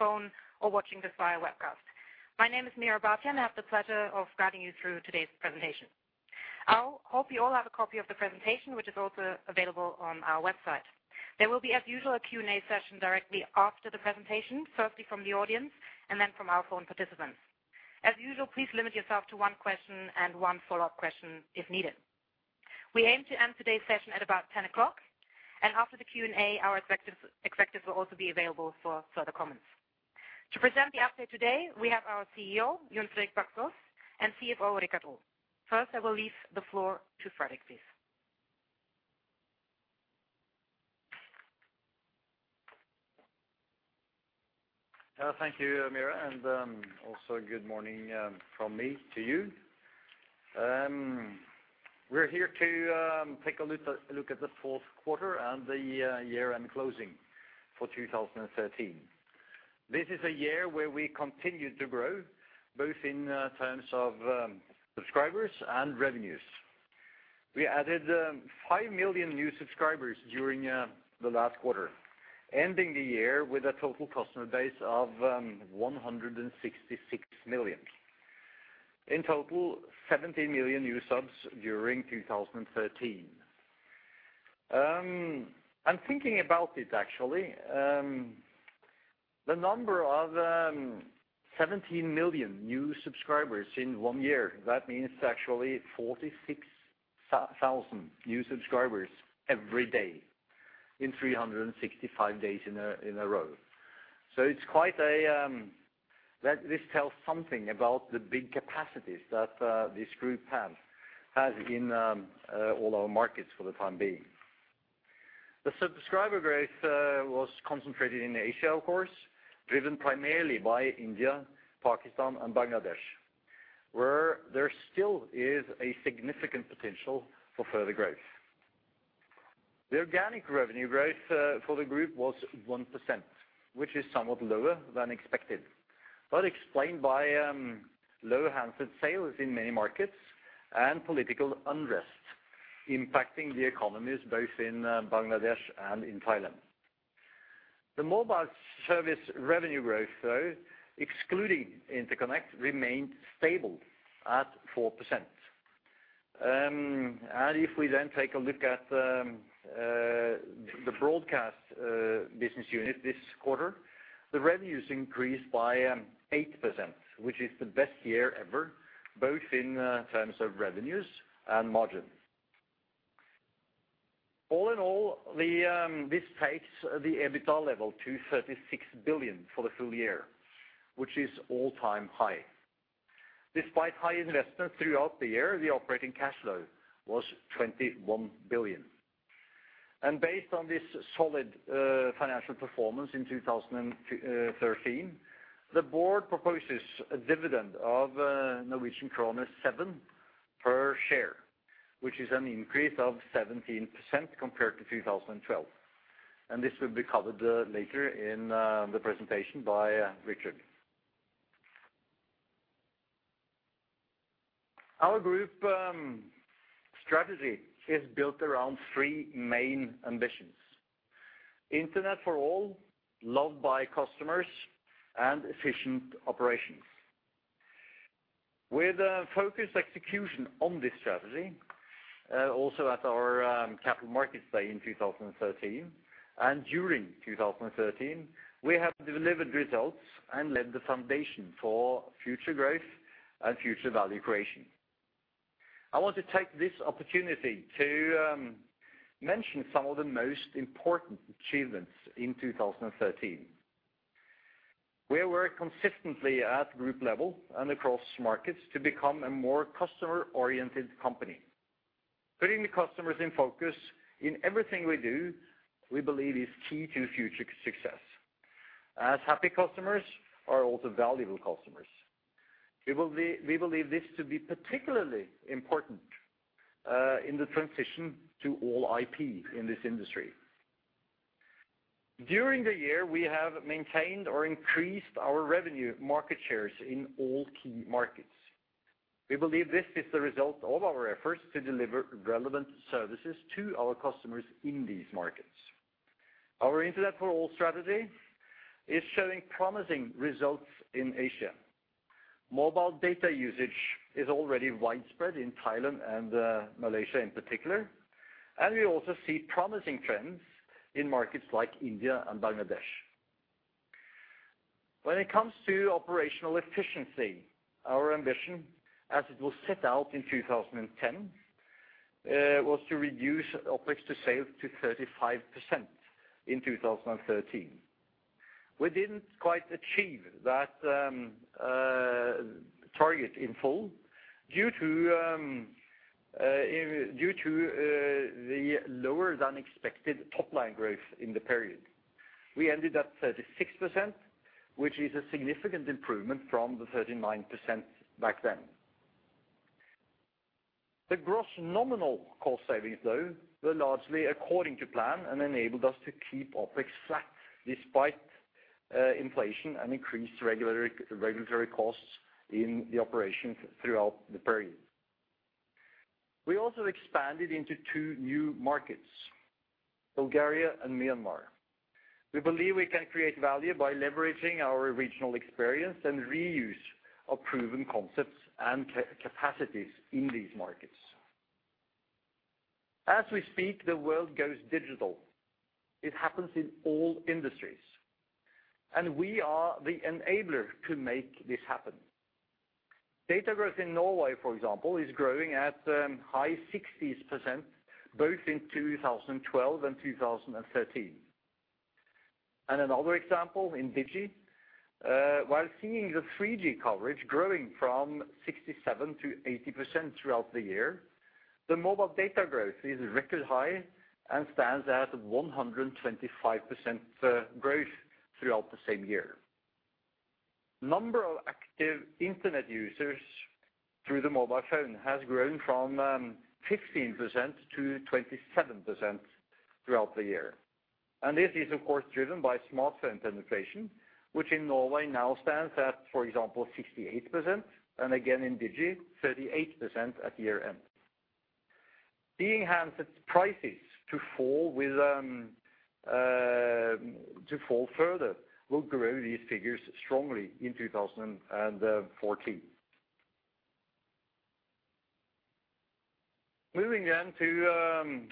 On the phone or watching this via webcast. My name is Meera Bhatia, and I have the pleasure of guiding you through today's presentation. I hope you all have a copy of the presentation, which is also available on our website. There will be, as usual, a Q&A session directly after the presentation, firstly from the audience, and then from our phone participants. As usual, please limit yourself to one question and one follow-up question if needed. We aim to end today's session at about 10 o'clock, and after the Q&A, our executives, executives will also be available for further comments. To present the update today, we have our CEO, Jon Fredrik Baksaas, and CFO, Richard Olav Aa. First, I will leave the floor to Fredrik, please. Thank you, Meera, and also good morning from me to you. We're here to take a look at the fourth quarter and the year-end closing for 2013. This is a year where we continued to grow, both in terms of subscribers and revenues. We added 5 million new subscribers during the last quarter, ending the year with a total customer base of 166 million. In total, 17 million new subs during 2013. I'm thinking about it actually, the number of 17 million new subscribers in one year, that means actually 46 thousand new subscribers every day in 365 days in a row. So it's quite a that this tells something about the big capacities that this group has, has in all our markets for the time being. The subscriber growth was concentrated in Asia, of course, driven primarily by India, Pakistan, and Bangladesh, where there still is a significant potential for further growth. The organic revenue growth for the group was 1%, which is somewhat lower than expected, but explained by low handset sales in many markets and political unrest, impacting the economies both in Bangladesh and in Thailand. The mobile service revenue growth, though, excluding interconnect, remained stable at 4%. And if we then take a look at the broadcast business unit this quarter, the revenues increased by 8%, which is the best year ever, both in terms of revenues and margin. All in all, this takes the EBITDA level to 36 billion for the full year, which is all-time high. Despite high investment throughout the year, the operating cash flow was 21 billion. Based on this solid financial performance in 2013, the board proposes a dividend of Norwegian krone 7 per share, which is an increase of 17% compared to 2012. This will be covered later in the presentation by Richard. Our group strategy is built around three main ambitions: Internet for All, loved by customers, and efficient operations. With a focused execution on this strategy, also at our Capital Markets Day in 2013, and during 2013, we have delivered results and laid the foundation for future growth and future value creation. I want to take this opportunity to mention some of the most important achievements in 2013. We work consistently at group level and across markets to become a more customer-oriented company. Putting the customers in focus in everything we do, we believe is key to future success, as happy customers are also valuable customers. We believe this to be particularly important in the transition to all IP in this industry. During the year, we have maintained or increased our revenue market shares in all key markets. We believe this is the result of our efforts to deliver relevant services to our customers in these markets. Our Internet For All strategy is showing promising results in Asia. Mobile data usage is already widespread in Thailand and Malaysia in particular, and we also see promising trends in markets like India and Bangladesh. When it comes to operational efficiency, our ambition, as it was set out in 2010, was to reduce OpEx to sales to 35% in 2013. We didn't quite achieve that target in full due to the lower-than-expected top-line growth in the period. We ended at 36%, which is a significant improvement from the 39% back then. The gross nominal cost savings, though, were largely according to plan and enabled us to keep OpEx flat, despite inflation and increased regulatory costs in the operations throughout the period. We also expanded into two new markets, Bulgaria and Myanmar. We believe we can create value by leveraging our regional experience and reuse of proven concepts and capacities in these markets. As we speak, the world goes digital. It happens in all industries, and we are the enabler to make this happen. Data growth in Norway, for example, is growing at high 60s%, both in 2012 and 2013. Another example, in Digi, while seeing the 3G coverage growing from 67% to 80% throughout the year, the mobile data growth is record high and stands at 125% growth throughout the same year. Number of active internet users through the mobile phone has grown from 15% to 27% throughout the year. And this is, of course, driven by smartphone penetration, which in Norway now stands at, for example, 68%, and again, in Digi, 38% at year-end. Seeing handset prices to fall further will grow these figures strongly in 2014. Moving then to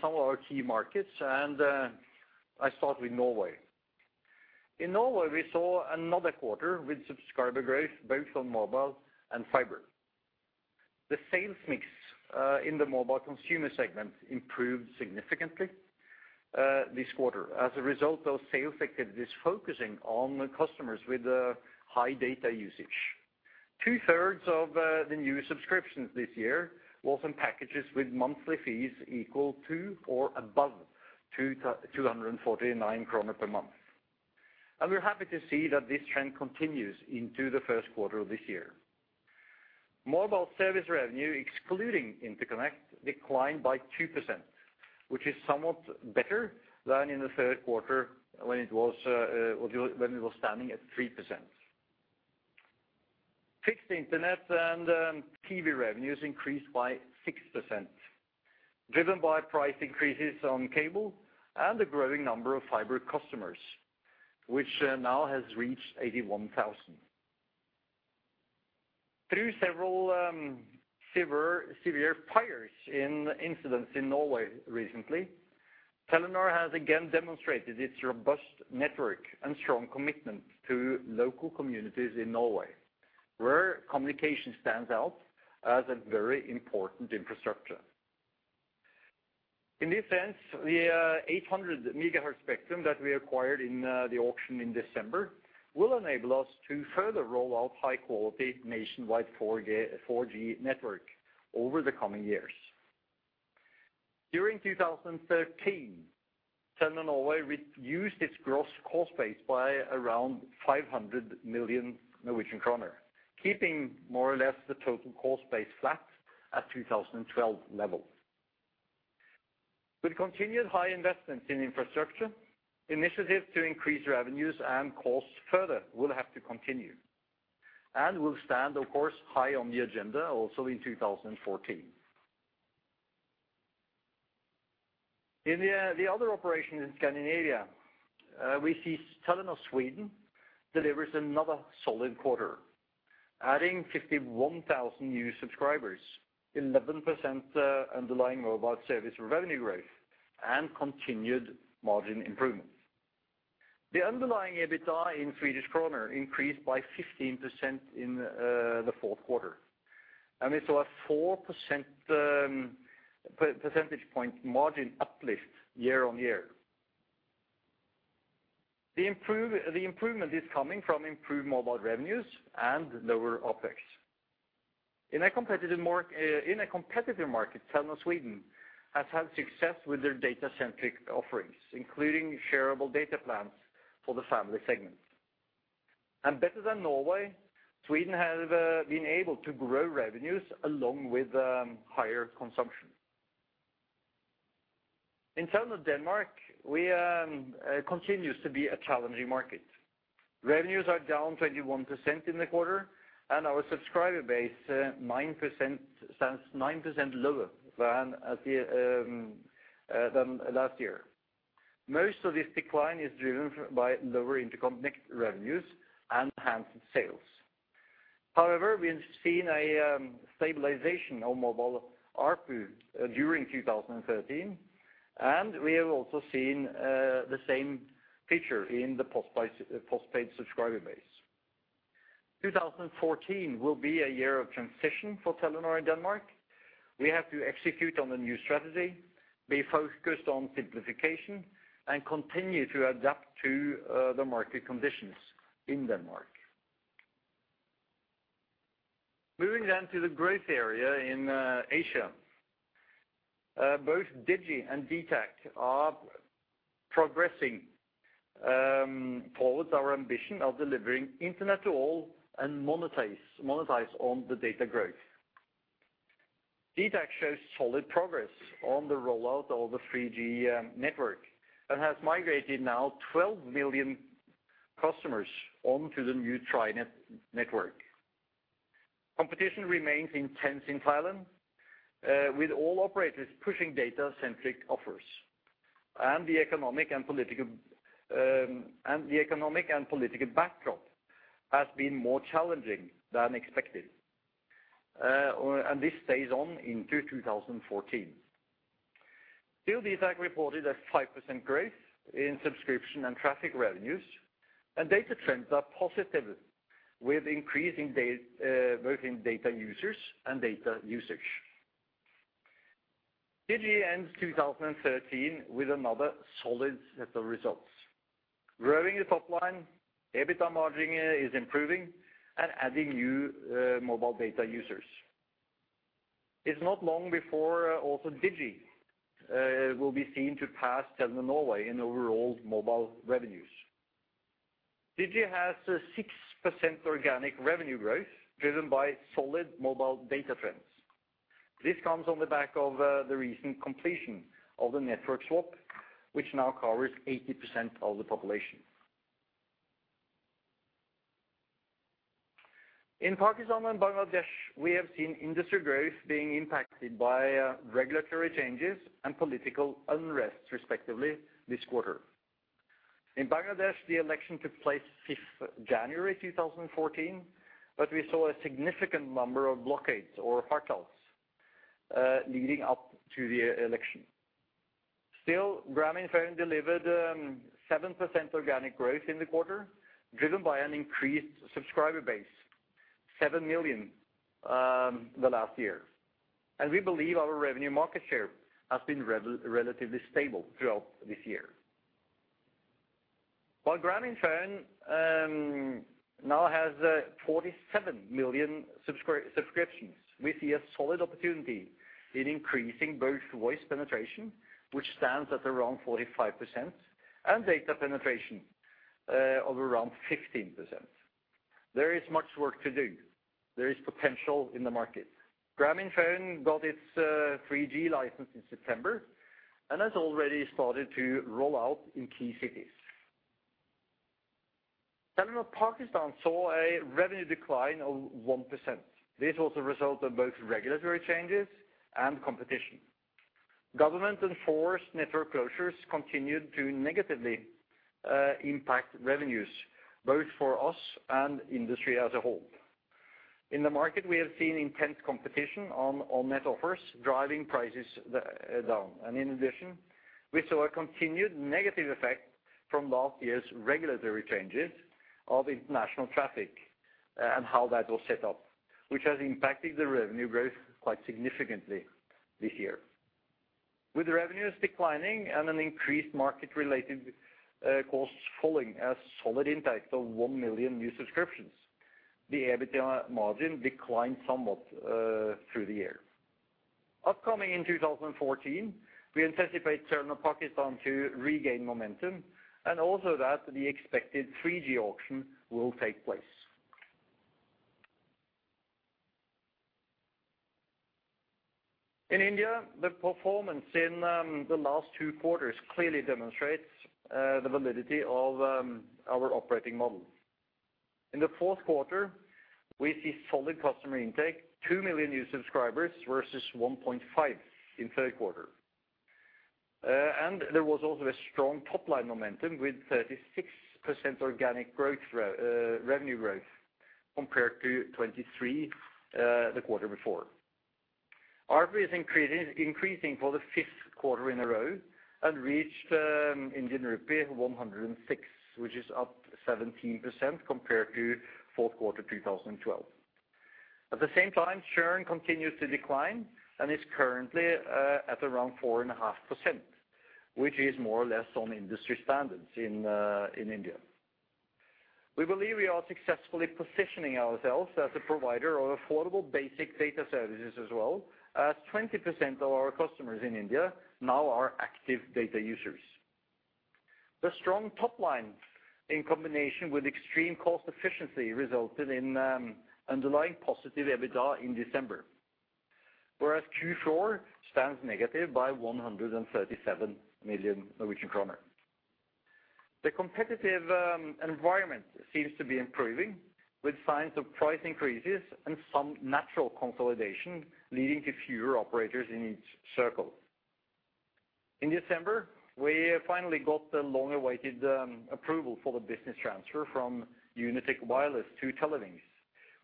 some of our key markets, and I start with Norway. In Norway, we saw another quarter with subscriber growth, both on mobile and fiber. The sales mix in the mobile consumer segment improved significantly this quarter as a result of sales activities focusing on the customers with high data usage. Two-thirds of the new subscriptions this year was in packages with monthly fees equal to or above 249 kroner per month. And we're happy to see that this trend continues into the first quarter of this year. Mobile service revenue, excluding interconnect, declined by 2%, which is somewhat better than in the third quarter, when it was standing at 3%. Fixed internet and TV revenues increased by 6%, driven by price increases on cable and the growing number of fiber customers, which now has reached 81,000. Through several severe incidents in Norway recently, Telenor has again demonstrated its robust network and strong commitment to local communities in Norway, where communication stands out as a very important infrastructure. In this sense, the 800 MHz spectrum that we acquired in the auction in December will enable us to further roll out high-quality, nationwide 4G network over the coming years. During 2013, Telenor Norway reduced its gross cost base by around 500 million Norwegian kroner, keeping more or less the total cost base flat at 2012 levels. With continued high investments in infrastructure, initiatives to increase revenues and costs further will have to continue, and will stand, of course, high on the agenda also in 2014. In the other operation in Scandinavia, we see Telenor Sweden delivers another solid quarter, adding 51,000 new subscribers, 11% underlying mobile service revenue growth, and continued margin improvement. The underlying EBITDA in Swedish kronor increased by 15% in the fourth quarter, and we saw a 4 percentage point margin uplift year-on-year. The improvement is coming from improved mobile revenues and lower OpEx. In a competitive market, Telenor Sweden has had success with their data-centric offerings, including shareable data plans for the family segment. And better than Norway, Sweden have been able to grow revenues along with higher consumption. In Telenor Denmark, we continues to be a challenging market. Revenues are down 21% in the quarter, and our subscriber base, nine percent, stands 9% lower than at the, than last year. Most of this decline is driven by lower interconnect revenues and enhanced sales. However, we have seen a, stabilization on mobile ARPU during 2013, and we have also seen, the same picture in the postpaid, postpaid subscriber base. 2014 will be a year of transition for Telenor in Denmark. We have to execute on the new strategy, be focused on simplification, and continue to adapt to, the market conditions in Denmark. Moving then to the growth area in, Asia. Both Digi and dtac are progressing, towards our ambition of delivering internet to all and monetize on the data growth. dtac shows solid progress on the rollout of the 3G network, and has migrated now 12 million customers onto the new TriNet network. Competition remains intense in Thailand, with all operators pushing data-centric offers, and the economic and political backdrop has been more challenging than expected. This stays on into 2014. Still, dtac reported a 5% growth in subscription and traffic revenues, and data trends are positive, with increasing data both in data users and data usage. Digi ends 2013 with another solid set of results. Growing the top line, EBITDA margin is improving, and adding new mobile data users. It's not long before also Digi will be seen to pass Telenor Norway in overall mobile revenues. Digi has a 6% organic revenue growth, driven by solid mobile data trends. This comes on the back of the recent completion of the network swap, which now covers 80% of the population. In Pakistan and Bangladesh, we have seen industry growth being impacted by regulatory changes and political unrest, respectively, this quarter. In Bangladesh, the election took place 5th January 2014, but we saw a significant number of blockades or hartals leading up to the election. Still, Grameenphone delivered 7% organic growth in the quarter, driven by an increased subscriber base, 7 million the last year. We believe our revenue market share has been relatively stable throughout this year. While Grameenphone now has 47 million subscriptions, we see a solid opportunity in increasing both voice penetration, which stands at around 45%, and data penetration of around 15%. There is much work to do. There is potential in the market. Grameenphone got its 3G license in September, and has already started to roll out in key cities. Telenor Pakistan saw a revenue decline of 1%. This was a result of both regulatory changes and competition. Government-enforced network closures continued to negatively impact revenues, both for us and industry as a whole. In the market, we have seen intense competition on net offers, driving prices down. And in addition, we saw a continued negative effect from last year's regulatory changes of international traffic, and how that was set up, which has impacted the revenue growth quite significantly this year. With revenues declining and an increased market-related, costs falling, a solid intake of 1 million new subscriptions, the EBITDA margin declined somewhat, through the year. Upcoming in 2014, we anticipate Telenor Pakistan to regain momentum, and also that the expected 3G auction will take place. In India, the performance in, the last two quarters clearly demonstrates, the validity of, our operating model. In the fourth quarter, we see solid customer intake, 2 million new subscribers versus 1.5 in third quarter. And there was also a strong top-line momentum with 36% organic revenue growth compared to 23%, the quarter before. ARPU is increasing, increasing for the fifth quarter in a row and reached, Indian rupee 106, which is up 17% compared to fourth quarter 2012. At the same time, churn continues to decline and is currently at around 4.5%, which is more or less on industry standards in India. We believe we are successfully positioning ourselves as a provider of affordable basic data services as well, as 20% of our customers in India now are active data users. The strong top line, in combination with extreme cost efficiency, resulted in underlying positive EBITDA in December, whereas Q4 stands negative by 137 million Norwegian kroner. The competitive environment seems to be improving, with signs of price increases and some natural consolidation, leading to fewer operators in each circle. In December, we finally got the long-awaited approval for the business transfer from Unitech Wireless to Telenor,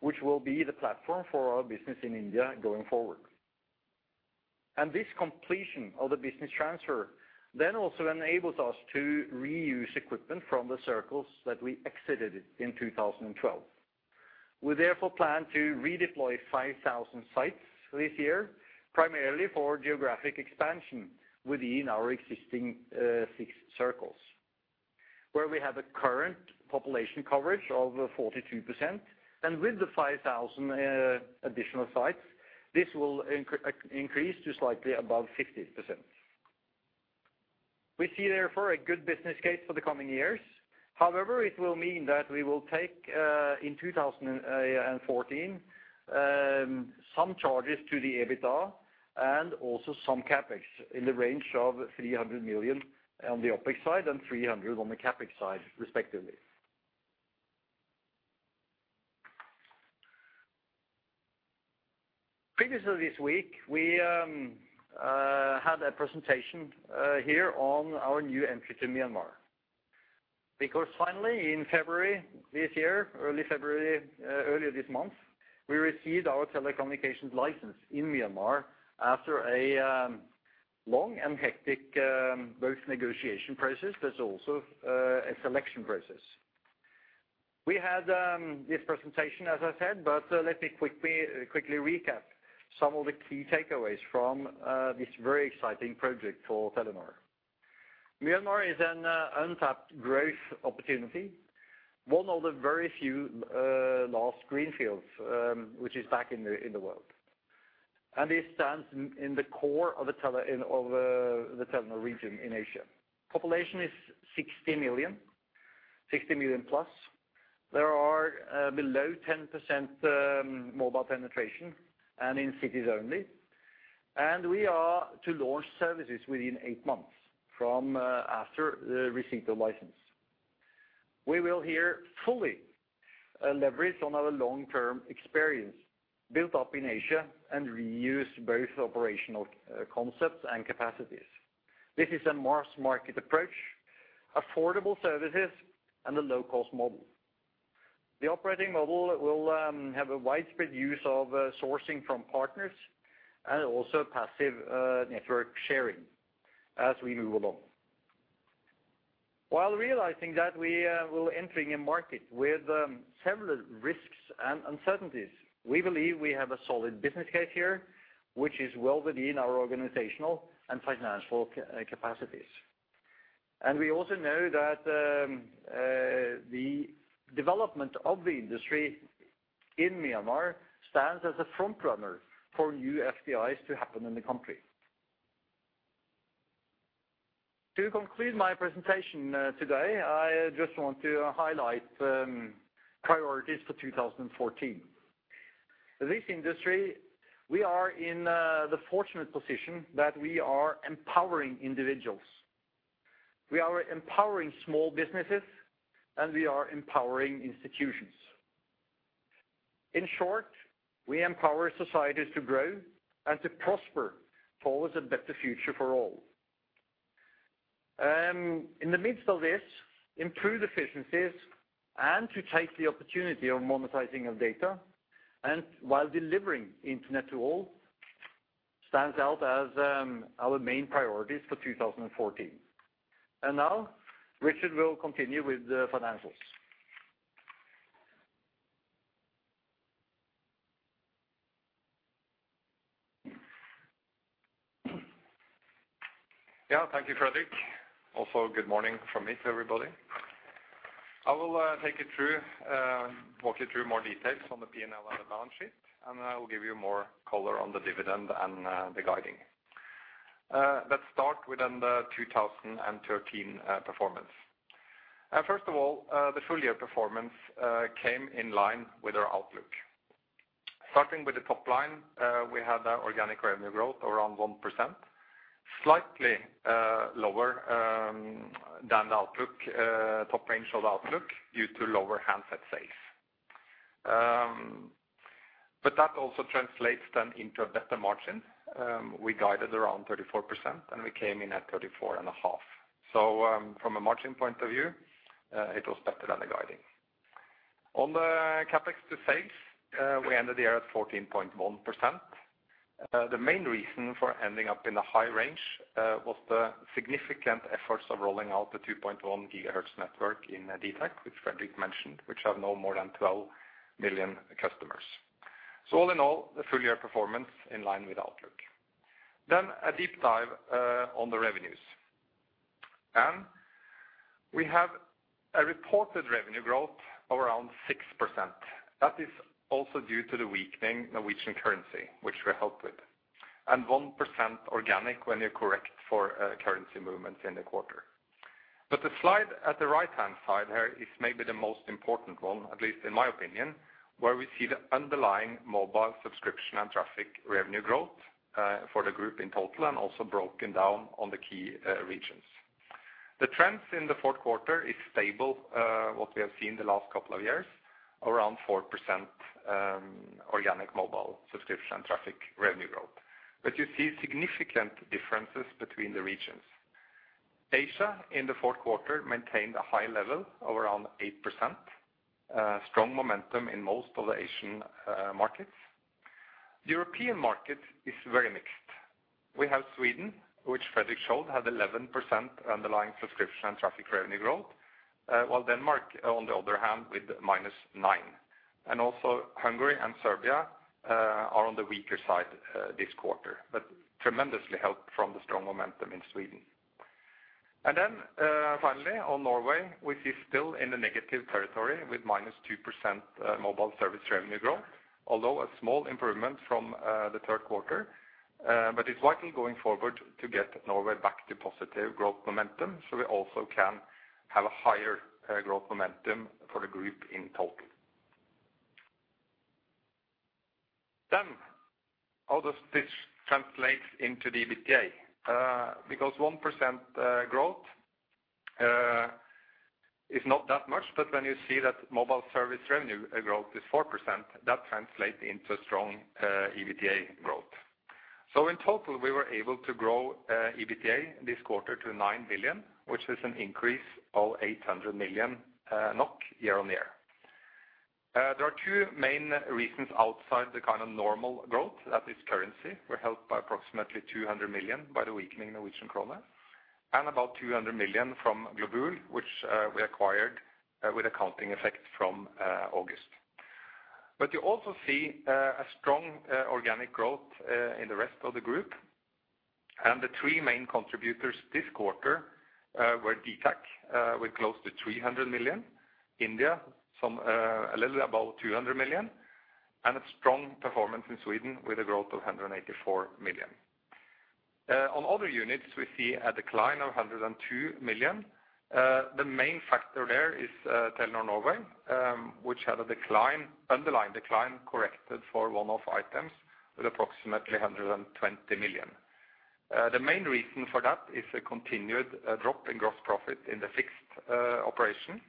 which will be the platform for our business in India going forward. This completion of the business transfer then also enables us to reuse equipment from the circles that we exited in 2012. We therefore plan to redeploy 5,000 sites this year, primarily for geographic expansion within our existing six circles, where we have a current population coverage of 42%. With the 5,000 additional sites, this will increase to slightly above 50%. We see therefore a good business case for the coming years. However, it will mean that we will take in 2014 some charges to the EBITDA and also some CapEx in the range of 300 million on the OpEx side and 300 million on the CapEx side, respectively. Previously this week, we had a presentation here on our new entry to Myanmar. Because finally, in February this year, early February, earlier this month, we received our telecommunications license in Myanmar after a long and hectic both negotiation process, but also a selection process. We had this presentation, as I said, but let me quickly recap some of the key takeaways from this very exciting project for Telenor. Myanmar is an untapped growth opportunity, one of the very few last greenfields which is back in the, in the world, and it stands in the core of the tele- in, of the Telenor region in Asia. Population is 60 million, 60 million plus. There are below 10% mobile penetration and in cities only. And we are to launch services within 8 months from after the receipt of license. We will here fully leverage on our long-term experience built up in Asia and reuse both operational concepts and capacities. This is a mass market approach, affordable services, and a low-cost model. The operating model will have a widespread use of sourcing from partners and also passive network sharing as we move along. While realizing that we will entering a market with several risks and uncertainties, we believe we have a solid business case here, which is well within our organizational and financial capacities. We also know that the development of the industry in Myanmar stands as a front runner for new FDIs to happen in the country. To conclude my presentation today, I just want to highlight priorities for 2014. This industry, we are in, the fortunate position that we are empowering individuals, we are empowering small businesses, and we are empowering institutions. In short, we empower societies to grow and to prosper towards a better future for all. In the midst of this, improve efficiencies and to take the opportunity of monetizing of data and while delivering internet to all, stands out as, our main priorities for 2014. And now, Richard will continue with the financials. Yeah, thank you, Fredrik. Also, good morning from me to everybody. I will take you through, walk you through more details on the P&L and the balance sheet, and I will give you more color on the dividend and the guiding. Let's start with then the 2013 performance. First of all, the full year performance came in line with our outlook. Starting with the top line, we had an organic revenue growth around 1%, slightly lower than the outlook top range of outlook due to lower handset sales. But that also translates then into a better margin. We guided around 34%, and we came in at 34.5. From a margin point of view, it was better than the guiding. On the CapEx to sales, we ended the year at 14.1%. The main reason for ending up in the high range was the significant efforts of rolling out the 2.1 GHz network in dtac, which Fredrik mentioned, which have now more than 12 million customers. So all in all, the full year performance in line with outlook. Then a deep dive on the revenues. We have a reported revenue growth of around 6%. That is also due to the weakening Norwegian currency, which we help with, and 1% organic when you correct for currency movements in the quarter. But the slide at the right-hand side here is maybe the most important one, at least in my opinion, where we see the underlying mobile subscription and traffic revenue growth for the group in total, and also broken down on the key regions. The trends in the fourth quarter is stable, what we have seen the last couple of years, around 4% organic mobile subscription and traffic revenue growth. But you see significant differences between the regions. Asia, in the fourth quarter, maintained a high level of around 8%, strong momentum in most of the Asian markets. European market is very mixed. We have Sweden, which Fredrik showed, had 11% underlying subscription and traffic revenue growth, while Denmark, on the other hand, with -9%. And also Hungary and Serbia are on the weaker side this quarter, but tremendously helped from the strong momentum in Sweden. And then, finally, on Norway, we see still in the negative territory with -2% mobile service revenue growth, although a small improvement from the third quarter. But it's likely going forward to get Norway back to positive growth momentum, so we also can have a higher growth momentum for the group in total. Then all of this translates into the EBITDA because 1% growth is not that much, but when you see that mobile service revenue growth is 4%, that translates into a strong EBITDA growth. So in total, we were able to grow EBITDA this quarter to 9 billion, which is an increase of 800 million NOK year-on-year. There are two main reasons outside the kind of normal growth, that is currency. We're helped by approximately 200 million by the weakening Norwegian kroner, and about 200 million from Globul, which, we acquired, with accounting effect from, August. But you also see, a strong, organic growth, in the rest of the group. And the three main contributors this quarter, were DTH, with close to 300 million, India, some, a little above 200 million, and a strong performance in Sweden with a growth of 184 million. On other units, we see a decline of 102 million. The main factor there is, Telenor Norway, which had a decline, underlying decline, corrected for one-off items with approximately 120 million. The main reason for that is a continued drop in gross profit in the fixed operation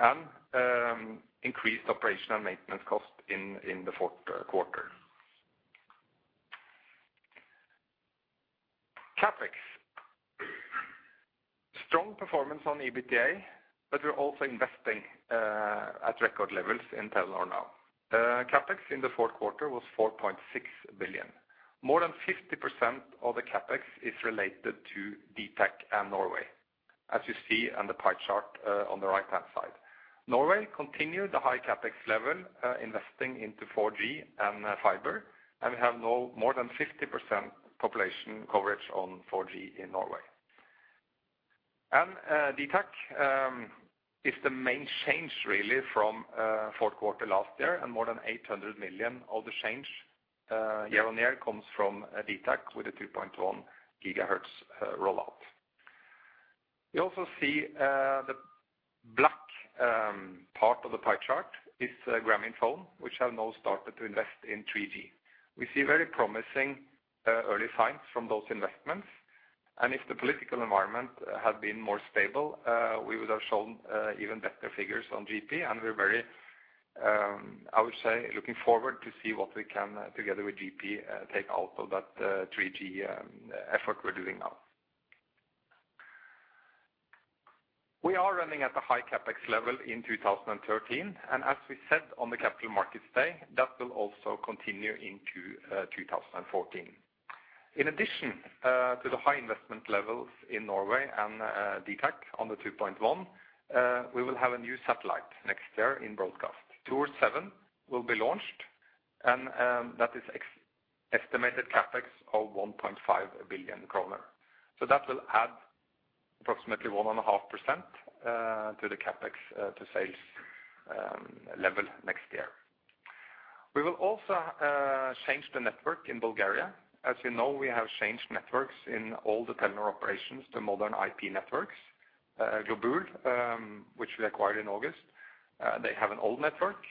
and increased operational maintenance cost in the fourth quarter. CapEx. Strong performance on EBITDA, but we're also investing at record levels in Telenor now. CapEx in the fourth quarter was 4.6 billion. More than 50% of the CapEx is related to DTH and Norway, as you see on the pie chart on the right-hand side. Norway continued the high CapEx level, investing into 4G and fiber, and we have now more than 50% population coverage on 4G in Norway. DTH is the main change really from fourth quarter last year, and more than 800 million of the change year-on-year comes from DTH with a 2.1 GHz rollout. You also see, the black part of the pie chart is Grameenphone, which have now started to invest in 3G. We see very promising early signs from those investments, and if the political environment had been more stable, we would have shown even better figures on GP. We're very, I would say, looking forward to see what we can, together with GP, take out of that 3G effort we're doing now. We are running at a high CapEx level in 2013, and as we said on the Capital Markets Day, that will also continue into 2014. In addition to the high investment levels in Norway and DTH on the 2.1, we will have a new satellite next year in broadcast. Thor 7 will be launched, and that is estimated CapEx of 1.5 billion kroner. So that will add approximately 1.5% to the CapEx to sales level next year. We will also change the network in Bulgaria. As you know, we have changed networks in all the Telenor operations to modern IP networks. Globul, which we acquired in August, they have an old network,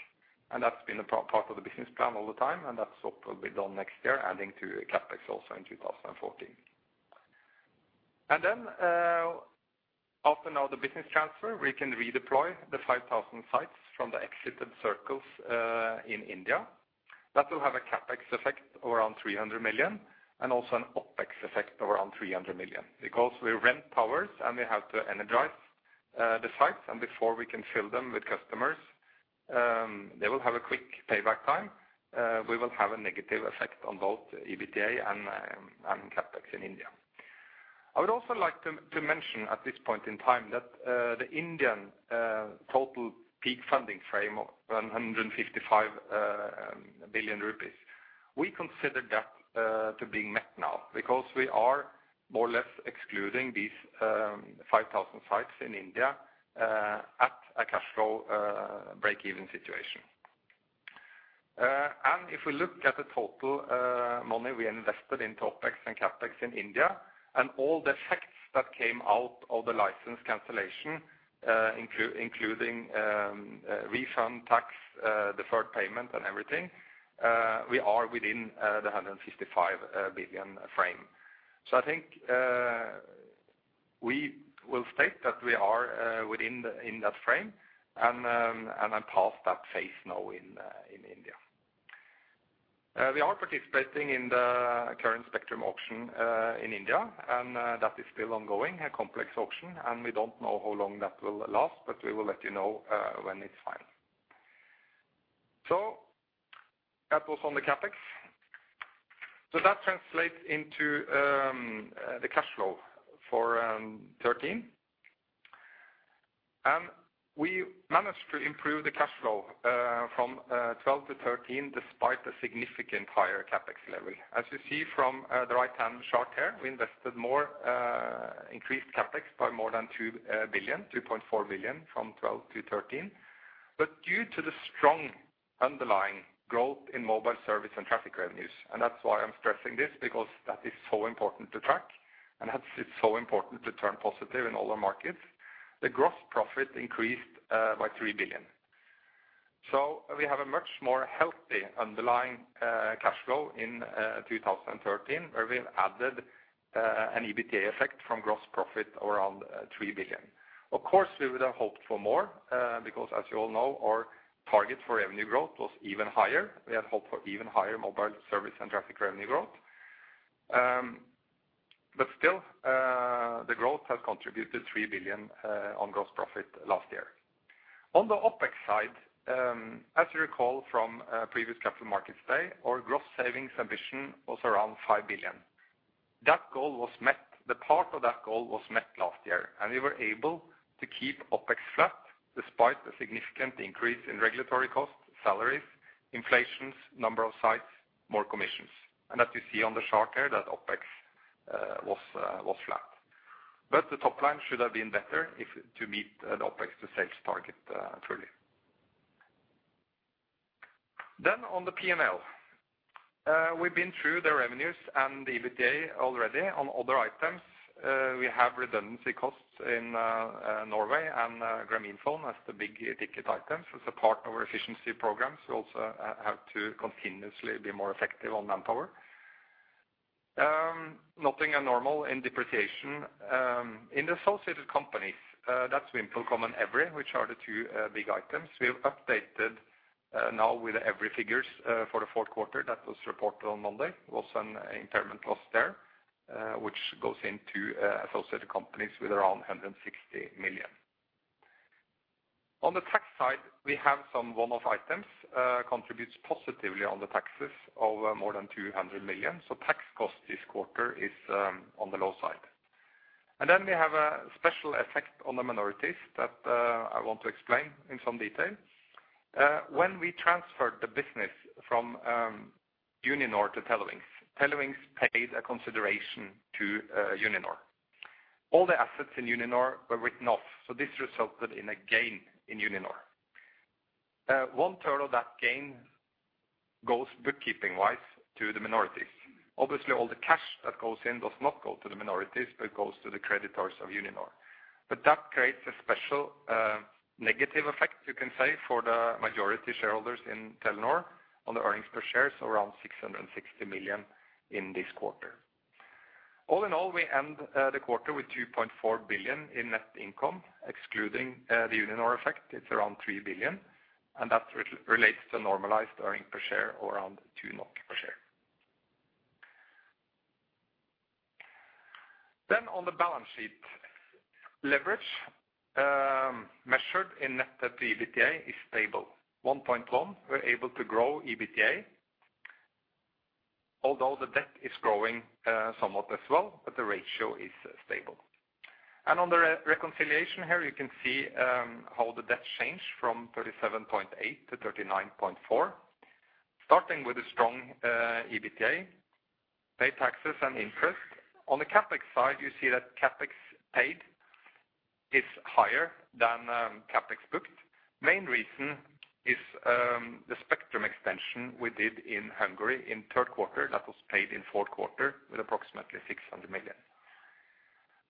and that's been a part of the business plan all the time, and that's also will be done next year, adding to CapEx also in 2014. And then, after now the business transfer, we can redeploy the 5,000 sites from the exited circles in India. That will have a CapEx effect around 300 million and also an OpEx effect around 300 million. Because we rent towers, and we have to energize the sites, and before we can fill them with customers, they will have a quick payback time. We will have a negative effect on both EBITDA and CapEx in India. I would also like to mention at this point in time that the Indian total peak funding frame of 155 billion rupees, we consider that to being met now, because we are more or less excluding these 5,000 sites in India at a cash flow break-even situation. And if we look at the total money we invested in OpEx and CapEx in India, and all the effects that came out of the license cancellation, including refund tax, deferred payment, and everything, we are within the 155 billion frame. So I think we will state that we are within that frame, and are past that phase now in India. We are participating in the current spectrum auction in India, and that is still ongoing, a complex auction, and we don't know how long that will last, but we will let you know when it's final. So that was on the CapEx. So that translates into the cash flow for 2013. We managed to improve the cash flow from 2012 to 2013, despite the significant higher CapEx level. As you see from the right-hand chart here, we invested more, increased CapEx by more than 2 billion, 2.4 billion, from 2012 to 2013. Due to the strong underlying growth in mobile service and traffic revenues, and that's why I'm stressing this, because that is so important to track... and that's so important to turn positive in all our markets. The gross profit increased by 3 billion. We have a much more healthy underlying cash flow in 2013, where we've added an EBITDA effect from gross profit around 3 billion. Of course, we would have hoped for more, because as you all know, our target for revenue growth was even higher. We had hoped for even higher mobile service and traffic revenue growth. But still, the growth has contributed 3 billion on gross profit last year. On the OpEx side, as you recall from a previous Capital Markets Day, our gross savings ambition was around 5 billion. That goal was met. The part of that goal was met last year, and we were able to keep OpEx flat despite the significant increase in regulatory costs, salaries, inflation, number of sites, more commissions. As you see on the chart here, that OpEx was flat. But the top line should have been better if to meet the OpEx to sales target, truly. Then on the P&L, we've been through the revenues and the EBITDA already. On other items, we have redundancy costs in Norway and Grameenphone as the big-ticket items. As a part of our efficiency programs, we also have to continuously be more effective on manpower. Nothing abnormal in depreciation in the associated companies, that's VimpelCom and Evry, which are the two big items. We have updated now with Evry figures for the fourth quarter that was reported on Monday, was an impairment loss there, which goes into associated companies with around 160 million. On the tax side, we have some one-off items, contributes positively on the taxes of more than 200 million. So tax cost this quarter is on the low side. And then we have a special effect on the minorities that I want to explain in some detail. When we transferred the business from Uninor to Telewings, Telewings paid a consideration to Uninor. All the assets in Uninor were written off, so this resulted in a gain in Uninor. One third of that gain goes, bookkeeping-wise, to the minorities. Obviously, all the cash that goes in does not go to the minorities, it goes to the creditors of Uninor. But that creates a special, negative effect, you can say, for the majority shareholders in Telenor on the earnings per share, so around 660 million in this quarter. All in all, we end the quarter with 2.4 billion in net income, excluding the Uninor effect, it's around 3 billion, and that relates to normalized earning per share, around 2 NOK per share. Then on the balance sheet. Leverage, measured in net debt to EBITDA is stable. 1.1, we're able to grow EBITDA, although the debt is growing somewhat as well, but the ratio is stable. On the reconciliation here, you can see how the debt changed from 37.8 billion to 39.4 billion. Starting with a strong EBITDA, pay taxes and interest. On the CapEx side, you see that CapEx paid is higher than CapEx booked. Main reason is the spectrum expansion we did in Hungary in third quarter, that was paid in fourth quarter with approximately 600 million.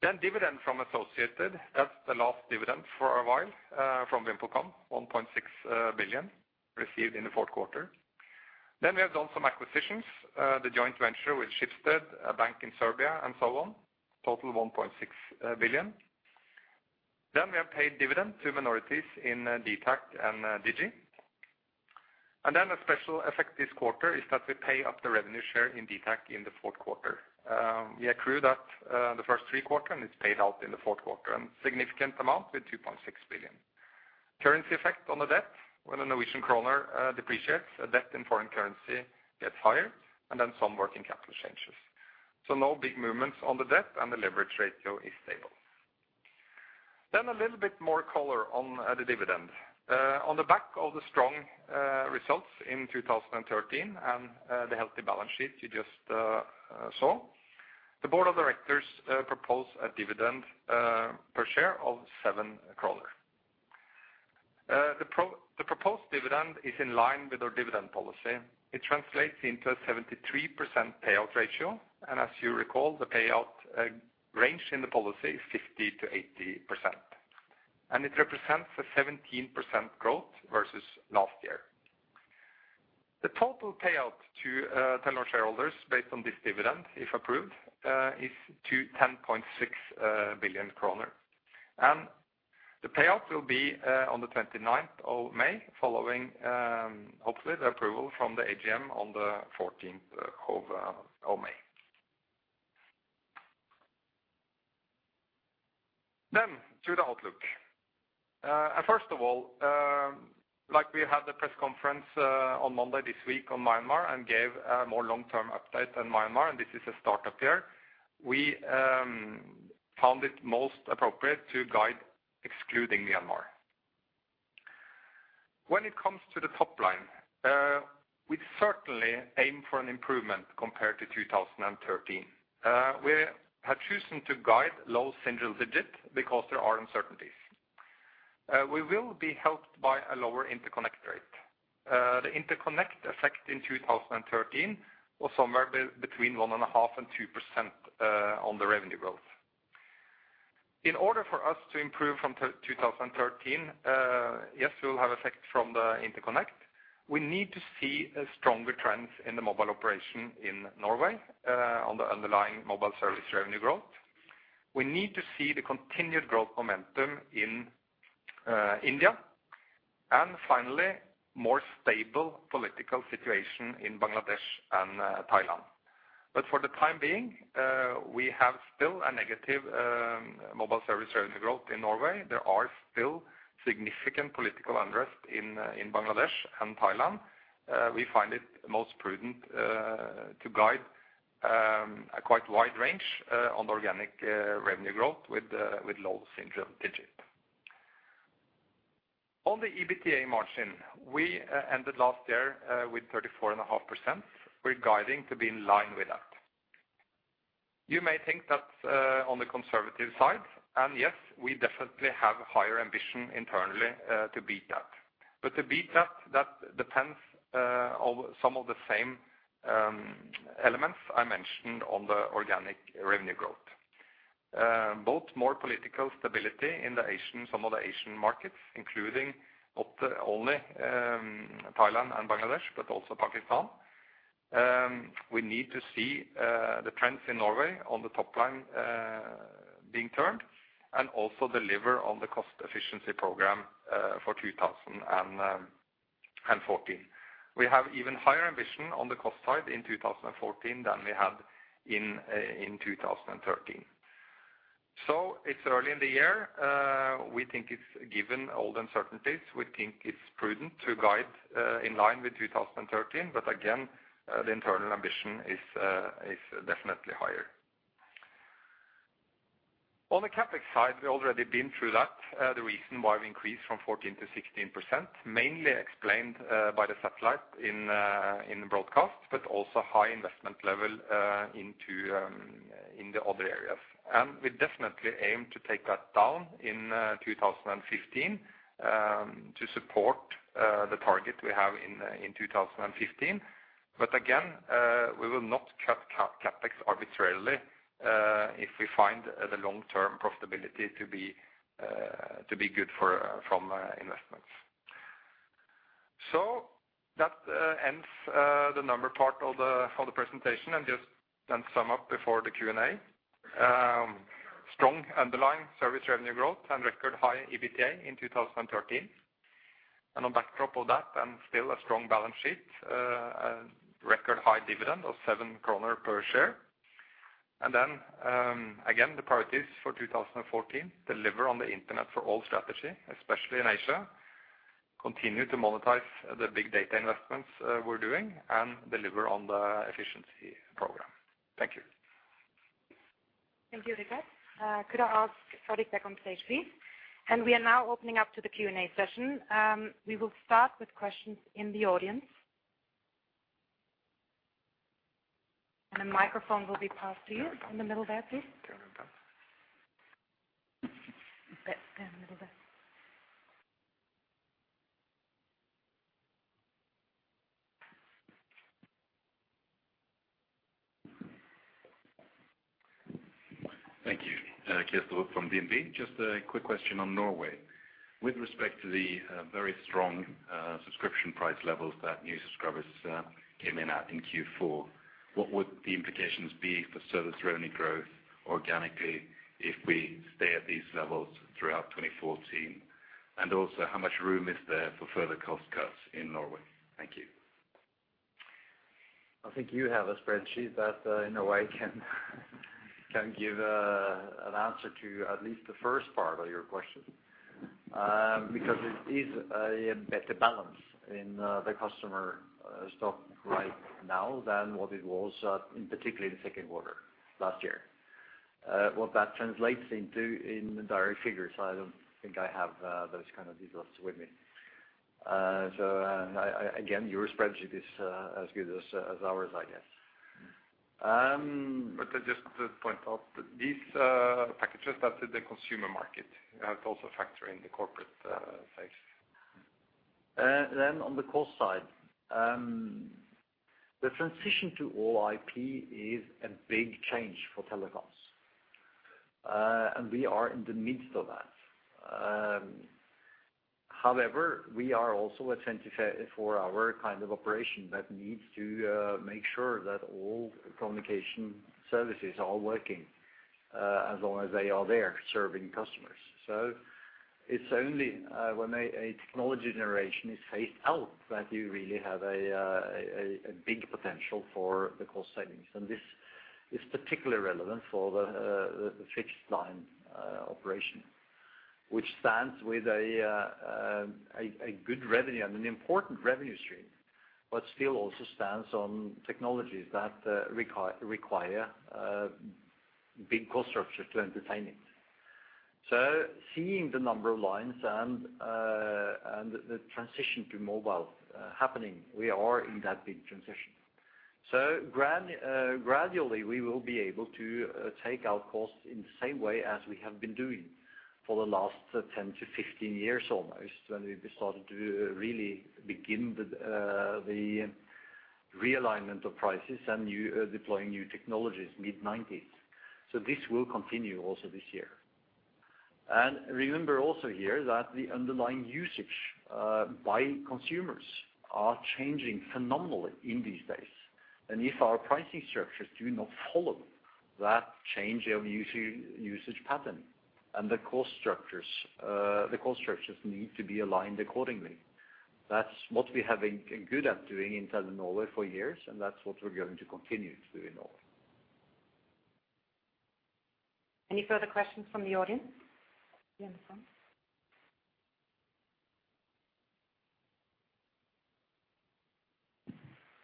Then dividend from associated, that's the last dividend for a while from VimpelCom, 1.6 billion received in the fourth quarter. Then we have done some acquisitions, the joint venture with Schibsted, a bank in Serbia, and so on, total 1.6 billion. Then we have paid dividend to minorities in dtac and Digi. And then a special effect this quarter is that we pay up the revenue share in dtac in the fourth quarter. We accrue that, the first three quarters, and it's paid out in the fourth quarter, and significant amount with 2.6 billion. Currency effect on the debt, when the Norwegian kroner depreciates, a debt in foreign currency gets higher, and then some working capital changes. So no big movements on the debt, and the leverage ratio is stable. Then a little bit more color on the dividend. On the back of the strong results in 2013 and the healthy balance sheet you just saw, the board of directors propose a dividend per share of 7 NOK. The proposed dividend is in line with our dividend policy. It translates into a 73% payout ratio, and as you recall, the payout range in the policy is 50%-80%, and it represents a 17% growth versus last year. The total payout to Telenor shareholders based on this dividend, if approved, is 10.6 billion kroner. And the payout will be on the twenty-ninth of May, following, hopefully, the approval from the AGM on the fourteenth of May. Then to the outlook. First of all, like we had the press conference on Monday this week on Myanmar and gave a more long-term update on Myanmar, and this is a start up there, we found it most appropriate to guide excluding Myanmar. When it comes to the top line, we certainly aim for an improvement compared to 2013. We have chosen to guide low single digits because there are uncertainties. We will be helped by a lower interconnect rate. The interconnect effect in 2013 was somewhere between 1.5% and 2% on the revenue growth. In order for us to improve from 2013, yes, we will have effect from the interconnect. We need to see a stronger trends in the mobile operation in Norway on the underlying mobile service revenue growth. We need to see the continued growth momentum in India, and finally, more stable political situation in Bangladesh and Thailand. But for the time being, we have still a negative mobile service revenue growth in Norway. There are still significant political unrest in Bangladesh and Thailand. We find it most prudent to guide a quite wide range on the organic revenue growth with low single digit. On the EBITDA margin, we ended last year with 34.5%. We're guiding to be in line with that. You may think that's on the conservative side, and yes, we definitely have higher ambition internally to beat that. But to beat that, that depends on some of the same elements I mentioned on the organic revenue growth. Both more political stability in the Asian, some of the Asian markets, including not only Thailand and Bangladesh, but also Pakistan. We need to see the trends in Norway on the top line being turned, and also deliver on the cost efficiency program for 2014. We have even higher ambition on the cost side in 2014 than we had in 2013. So it's early in the year, we think it's given all the uncertainties, we think it's prudent to guide in line with 2013, but again, the internal ambition is definitely higher. On the CapEx side, we've already been through that. The reason why we increased from 14%-16%, mainly explained by the satellite in broadcast, but also high investment level into the other areas. We definitely aim to take that down in 2015 to support the target we have in 2015. But again, we will not cut CapEx arbitrarily if we find the long-term profitability to be good for from investments. So that ends the number part of the presentation, and just then sum up before the Q&A. Strong underlying service revenue growth and record high EBITDA in 2013. On backdrop of that, and still a strong balance sheet, a record high dividend of 7 kroner per share. Then again, the priorities for 2014, deliver on the Internet for All strategy, especially in Asia, continue to monetize the big data investments we're doing, and deliver on the efficiency program. Thank you. Thank you, Richard. Could I ask [inaudible] on stage, please? We are now opening up to the Q&A session. We will start with questions in the audience. The microphone will be passed to you in the middle there, please. That stand, middle there. Thank you. [Kirsto] from DNB. Just a quick question on Norway. With respect to the very strong subscription price levels that new subscribers came in at in Q4, what would the implications be for service revenue growth organically, if we stay at these levels throughout 2014? And also, how much room is there for further cost cuts in Norway? Thank you. I think you have a spreadsheet that, in a way, can give an answer to at least the first part of your question. Because it is a better balance in the customer stock right now than what it was, in particular the second quarter last year. What that translates into in the daily figures, I don't think I have those kind of details with me. So again, your spreadsheet is as good as ours, I guess. But just to point out, these packages that are the consumer market, you have to also factor in the corporate space. Then on the cost side, the transition to all IP is a big change for telecoms, and we are in the midst of that. However, we are also a 24-hour kind of operation that needs to make sure that all communication services are working, as long as they are there serving customers. So it's only when a big potential for the cost savings. This is particularly relevant for the fixed line operation, which stands with a good revenue and an important revenue stream, but still also stands on technologies that require big cost structure to entertain it. So seeing the number of lines and the transition to mobile happening, we are in that big transition. Gradually, we will be able to take out costs in the same way as we have been doing for the last 10-15 years almost, when we started to really begin the realignment of prices and deploying new technologies mid-1990s. So this will continue also this year. Remember also here that the underlying usage by consumers are changing phenomenally in these days. If our pricing structures do not follow that change of usage pattern and the cost structures, the cost structures need to be aligned accordingly. That's what we have been good at doing in Telenor Norway for years, and that's what we're going to continue to do in Norway. Any further questions from the audience? Yeah, in front.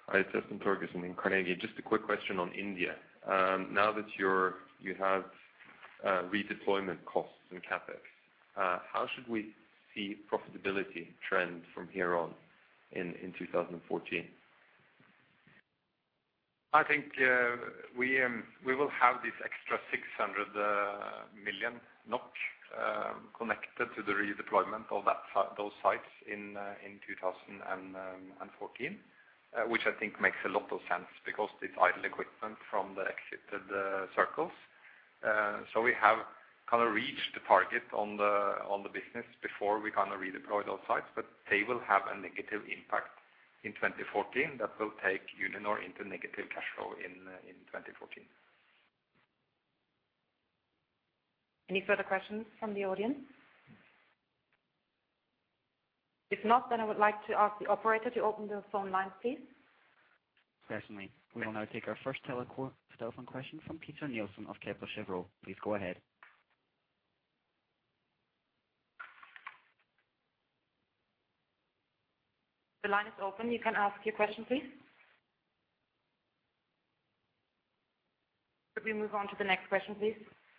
Hi, it's Espen Torgersen in Carnegie. Just a quick question on India. Now that you're, you have, redeployment costs and CapEx, how should we see profitability trend from here on in, in 2014? I think, we, we will have this extra 600 million NOK connected to the redeployment of those sites in 2014. Which I think makes a lot of sense because it's idle equipment from the exited circles. So we have kind of reached the target on the, on the business before we kind of redeploy those sites, but they will have a negative impact in 2014 that will take Uninor into negative cash flow in 2014. Any further questions from the audience? If not, then I would like to ask the operator to open the phone lines, please. Certainly. We will now take our first telephone question from Peter Nielsen of Kepler Cheuvreux. Please go ahead. The line is open. You can ask your question, please. Could we move on to the next question, please?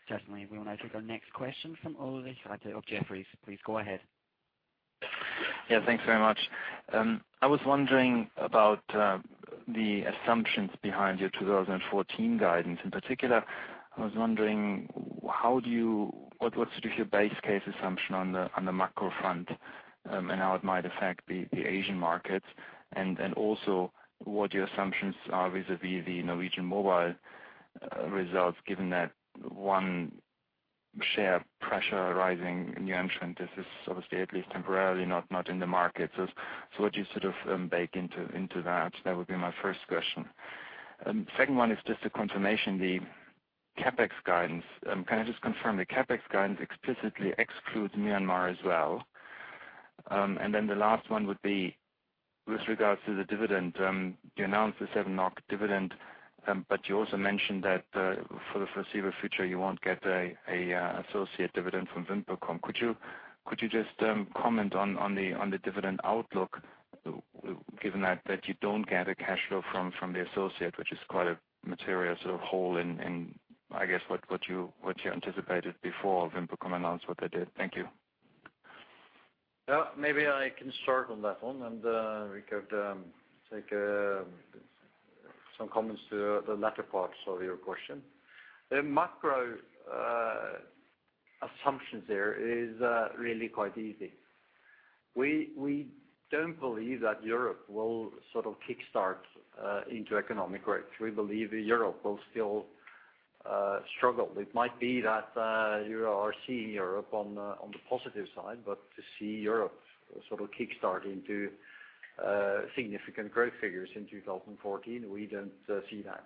Certainly. We will now take our next question from Ulrich Rathe of Jefferies. Please go ahead. Yeah, thanks very much. I was wondering about the assumptions behind your 2014 guidance. In particular, I was wondering what's your base case assumption on the macro front, and how it might affect the Asian markets? And also, what your assumptions are vis-à-vis the Norwegian mobile results, given that one share pressure arising new entrant is obviously, at least temporarily, not in the market. So what do you sort of bake into that? That would be my first question. Second one is just a confirmation, the CapEx guidance. Can I just confirm the CapEx guidance explicitly excludes Myanmar as well? And then the last one would be with regards to the dividend. You announced the 7 NOK dividend, but you also mentioned that for the foreseeable future, you won't get an associate dividend from VimpelCom. Could you just comment on the dividend outlook given that you don't get a cash flow from the associate, which is quite a material sort of hole in, I guess, what you anticipated before VimpelCom announced what they did? Thank you. Yeah, maybe I can start on that one, and, Richard, take some comments to the latter parts of your question. The macro assumptions there is really quite easy. We don't believe that Europe will sort of kickstart into economic growth. We believe Europe will still struggle. It might be that you are seeing Europe on the positive side, but to see Europe sort of kickstart into significant growth figures in 2014, we don't see that.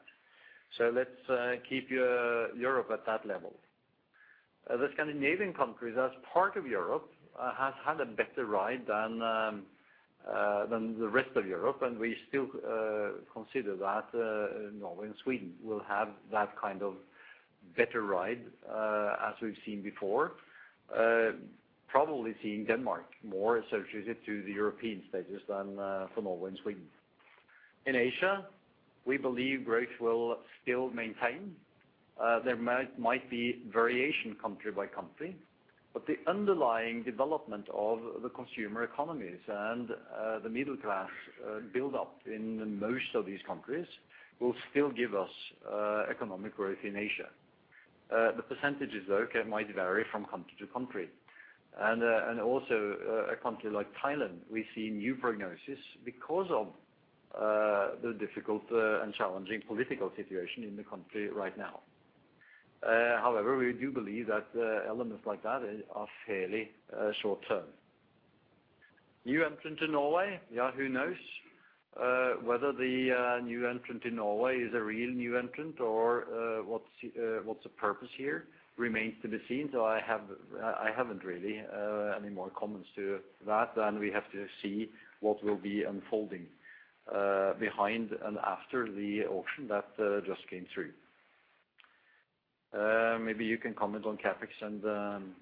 So let's keep Europe at that level. The Scandinavian countries, as part of Europe, has had a better ride than the rest of Europe, and we still consider that Norway and Sweden will have that kind of better ride as we've seen before. Probably seeing Denmark more associated to the European status than for Norway and Sweden. In Asia, we believe growth will still maintain. There might be variation country by country, but the underlying development of the consumer economies and the middle class build-up in most of these countries will still give us economic growth in Asia. The percentages, though, might vary from country to country. And also, a country like Thailand, we see new prognosis because of the difficult and challenging political situation in the country right now. However, we do believe that elements like that are fairly short-term. New entrant to Norway? Yeah, who knows. Whether the new entrant in Norway is a real new entrant or what's the purpose here remains to be seen, so I haven't really any more comments to that, and we have to see what will be unfolding behind and after the auction that just came through. Maybe you can comment on CapEx and-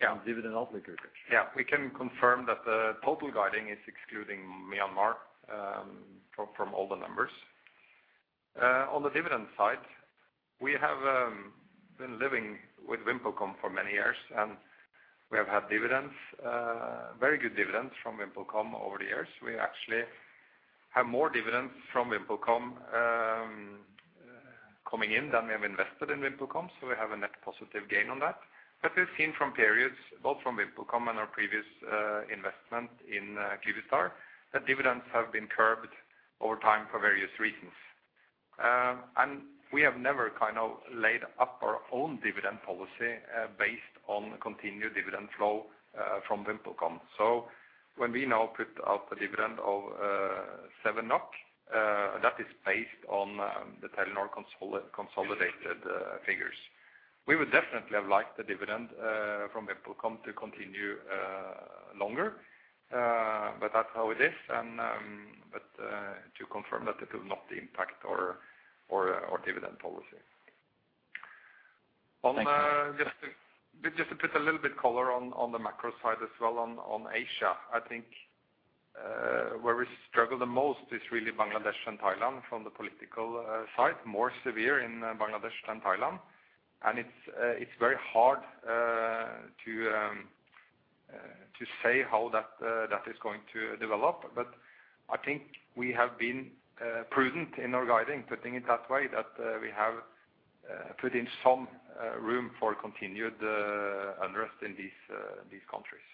Yeah. dividend outlook, Richard. Yeah, we can confirm that the total guiding is excluding Myanmar from all the numbers. On the dividend side, we have been living with VimpelCom for many years, and we have had dividends, very good dividends from VimpelCom over the years. We actually have more dividends from VimpelCom coming in than we have invested in VimpelCom, so we have a net positive gain on that. But we've seen from periods, both from VimpelCom and our previous investment in Kyivstar, that dividends have been curbed over time for various reasons. And we have never kind of laid up our own dividend policy based on the continued dividend flow from VimpelCom. So when we now put out a dividend of 7 NOK, that is based on the Telenor consolidated figures. We would definitely have liked the dividend from VimpelCom to continue longer, but that's how it is. But to confirm that it will not impact our dividend policy. Thank you. Just to put a little bit color on the macro side as well, on Asia, I think where we struggle the most is really Bangladesh and Thailand from the political side, more severe in Bangladesh than Thailand. And it's very hard to say how that is going to develop. But I think we have been prudent in our guiding, putting it that way, that we have put in some room for continued unrest in these countries.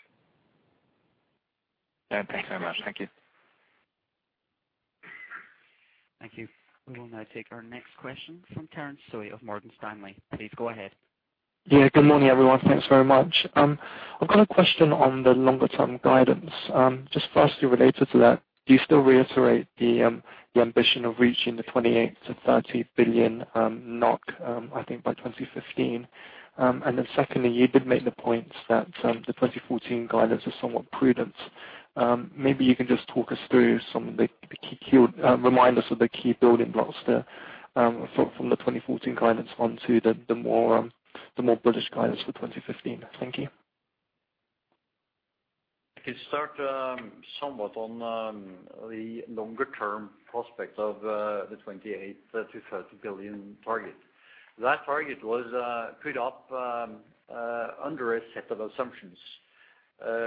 Yeah. Thank you very much. Thank you. Thank you. We will now take our next question from Terence Tsui of Morgan Stanley. Please go ahead. Yeah. Good morning, everyone. Thanks very much. I've got a question on the longer-term guidance. Just firstly, related to that, do you still reiterate the ambition of reaching the 28 billion-30 billion NOK, I think by 2015? And then secondly, you did make the point that the 2014 guidance is somewhat prudent. Maybe you can just talk us through some of the key, remind us of the key building blocks there, from the 2014 guidance on to the more bullish guidance for 2015. Thank you. I can start somewhat on the longer-term prospects of the 28 billion-30 billion target. That target was put up under a set of assumptions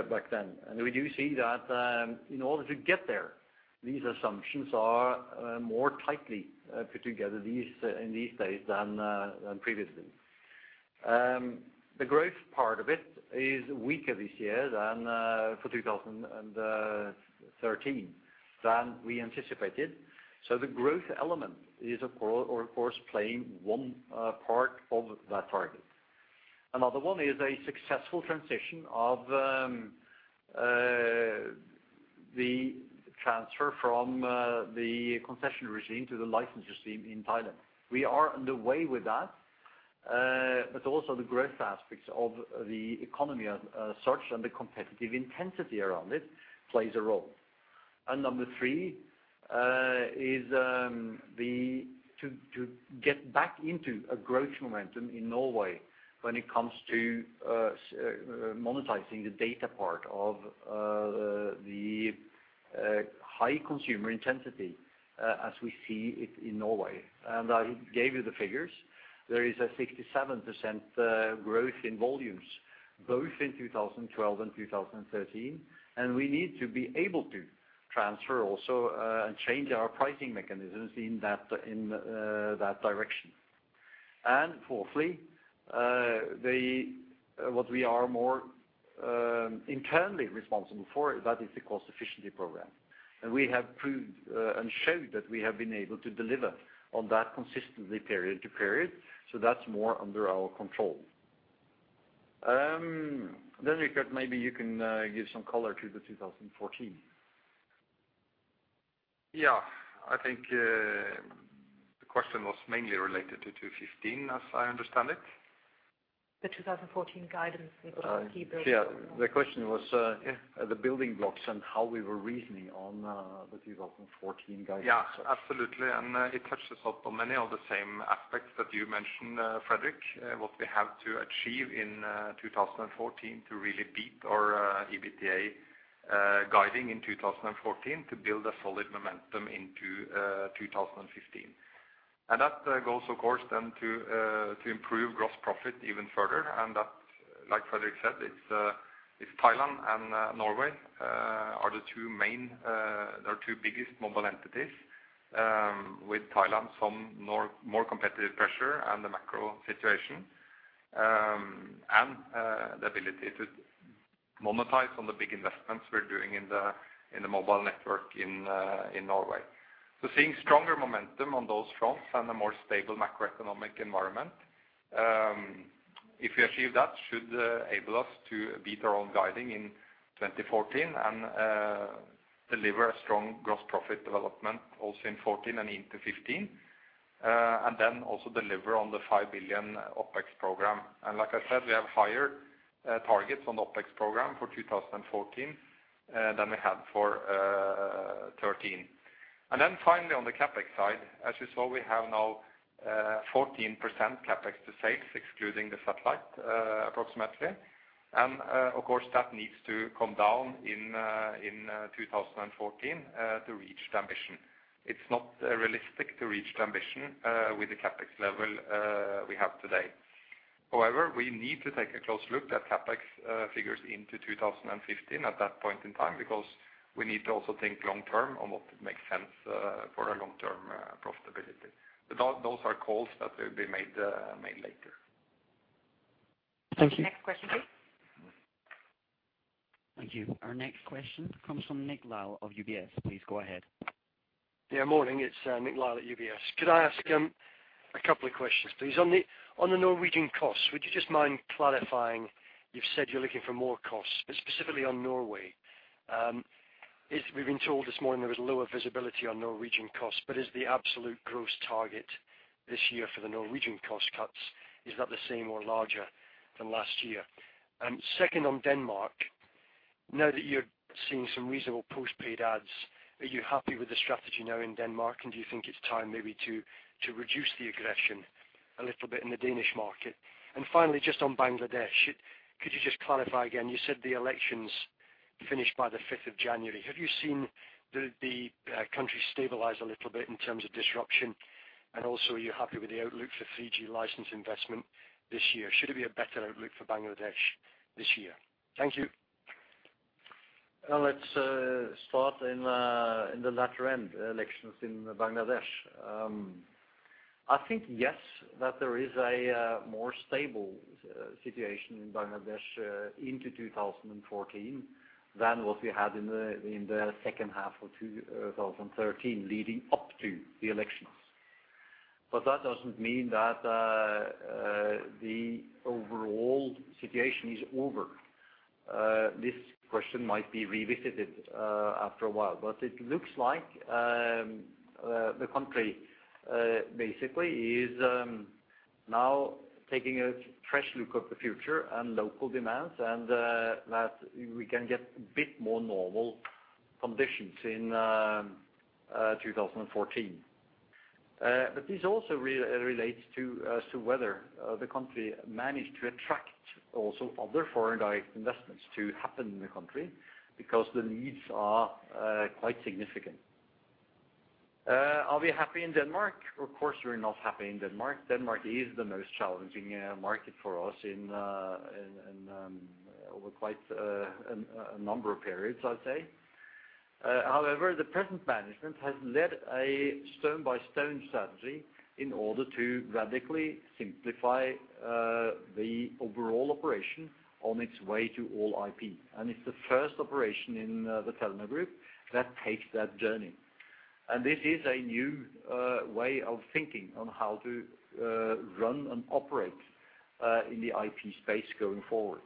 back then. We do see that in order to get there, these assumptions are more tightly put together these days than previously. The growth part of it is weaker this year than for 2013 than we anticipated. The growth element is, of course, playing one part of that target. Another one is a successful transition of the transfer from the concession regime to the license regime in Thailand. We are on the way with that, but also the growth aspects of the economy as such and the competitive intensity around it plays a role. And number three is to get back into a growth momentum in Norway when it comes to monetizing the data part of the high consumer intensity as we see it in Norway. I gave you the figures. There is a 67% growth in volumes, both in 2012 and 2013, and we need to be able to transfer also and change our pricing mechanisms in that direction. And fourthly, what we are more internally responsible for, that is the cost efficiency program. We have proved and showed that we have been able to deliver on that consistently period to period, so that's more under our control. Then, Richard, maybe you can give some color to the 2014. Yeah. I think, the question was mainly related to 215, as I understand it. The 2014 guidance with the key building blocks. Yeah, the question was, the building blocks and how we were reasoning on, the 2014 guidance. Yeah, absolutely. It touches up on many of the same aspects that you mentioned, Fredrik. What we have to achieve in 2014 to really beat our EBITDA guidance in 2014 to build a solid momentum into 2015. And that goes, of course, to improve gross profit even further. And that, like Fredrik said, it's Thailand and Norway are the two main, our two biggest mobile entities, with Thailand some more competitive pressure and the macro situation, and the ability to monetize on the big investments we're doing in the mobile network in Norway. So seeing stronger momentum on those fronts and a more stable macroeconomic environment, if we achieve that, should enable us to beat our own guidance in 2014 and deliver a strong gross profit development also in 2014 and into 2015, and then also deliver on the 5 billion OpEx program. And like I said, we have higher targets on the OpEx program for 2014 than we had for 2013. And then finally, on the CapEx side, as you saw, we have now-... 14% CapEx to sales, excluding the satellite, approximately. And, of course, that needs to come down in 2014 to reach the ambition. It's not realistic to reach the ambition with the CapEx level we have today. However, we need to take a close look at CapEx figures into 2015 at that point in time, because we need to also think long term on what makes sense for our long-term profitability. But those are calls that will be made later. Thank you. Next question, please. Thank you. Our next question comes from Nick Lyall of UBS. Please go ahead. Yeah, morning. It's Nick Lyall at UBS. Could I ask a couple of questions, please? On the Norwegian costs, would you just mind clarifying? You've said you're looking for more costs, but specifically on Norway. We've been told this morning there is lower visibility on Norwegian costs, but is the absolute gross target this year for the Norwegian cost cuts the same or larger than last year? And second, on Denmark, now that you're seeing some reasonable postpaid adds, are you happy with the strategy now in Denmark? And do you think it's time maybe to reduce the aggression a little bit in the Danish market? And finally, just on Bangladesh, could you just clarify again? You said the elections finished by the fifth of January. Have you seen the country stabilize a little bit in terms of disruption? Also, are you happy with the outlook for 3G license investment this year? Should it be a better outlook for Bangladesh this year? Thank you. Well, let's start in the latter end, elections in Bangladesh. I think, yes, that there is a more stable situation in Bangladesh in 2014 than what we had in the second half of 2013, leading up to the elections. But that doesn't mean that the overall situation is over. This question might be revisited after a while, but it looks like the country basically is now taking a fresh look of the future and local demands, and that we can get a bit more normal conditions in 2014. But this also relates to whether the country managed to attract also other foreign direct investments to happen in the country, because the needs are quite significant. Are we happy in Denmark? Of course, we're not happy in Denmark. Denmark is the most challenging market for us in over quite a number of periods, I'd say. However, the present management has led a stone-by-stone strategy in order to radically simplify the overall operation on its way to all IP. And it's the first operation in the Telenor Group that takes that journey. And this is a new way of thinking on how to run and operate in the IP space going forward.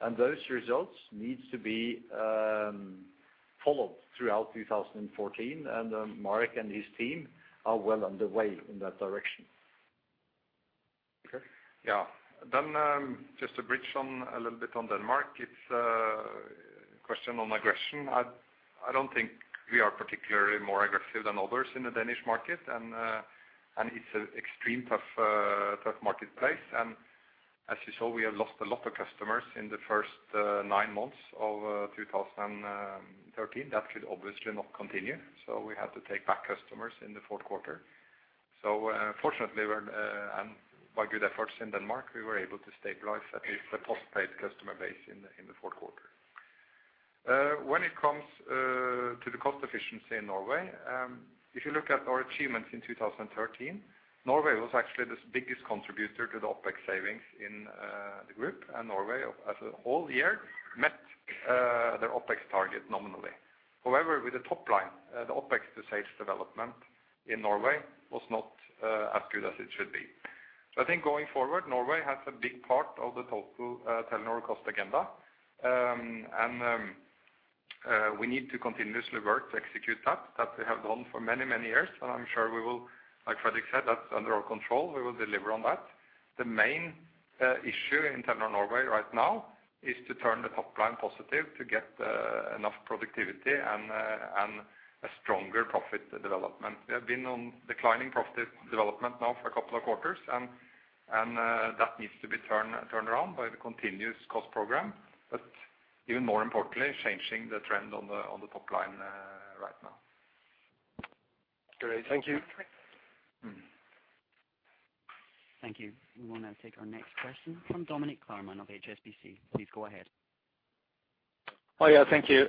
And those results needs to be followed throughout 2014, and Marek and his team are well on the way in that direction. Okay. Yeah. Then, just to bridge on a little bit on Denmark, it's a question on aggression. I don't think we are particularly more aggressive than others in the Danish market, and, and it's an extreme tough, tough marketplace. And as you saw, we have lost a lot of customers in the first nine months of 2013. That could obviously not continue, so we had to take back customers in the fourth quarter. So, fortunately, we're - and by good efforts in Denmark, we were able to stabilize at least the postpaid customer base in the fourth quarter. When it comes to the cost efficiency in Norway, if you look at our achievements in 2013, Norway was actually the biggest contributor to the OpEx savings in the group, and Norway, as a whole year, met their OpEx target nominally. However, with the top line, the OpEx, the sales development in Norway was not as good as it should be. I think going forward, Norway has a big part of the total Telenor cost agenda. And we need to continuously work to execute that. That we have done for many, many years, and I'm sure we will, like Fredrik said, that's under our control. We will deliver on that. The main issue in Telenor Norway right now is to turn the top line positive, to get enough productivity and a stronger profit development. We have been on declining profit development now for a couple of quarters, and that needs to be turned around by the continuous cost program, but even more importantly, changing the trend on the top line right now. Great. Thank you. Thank you. We will now take our next question from Dominik Klarmann of HSBC. Please go ahead. Oh, yeah. Thank you.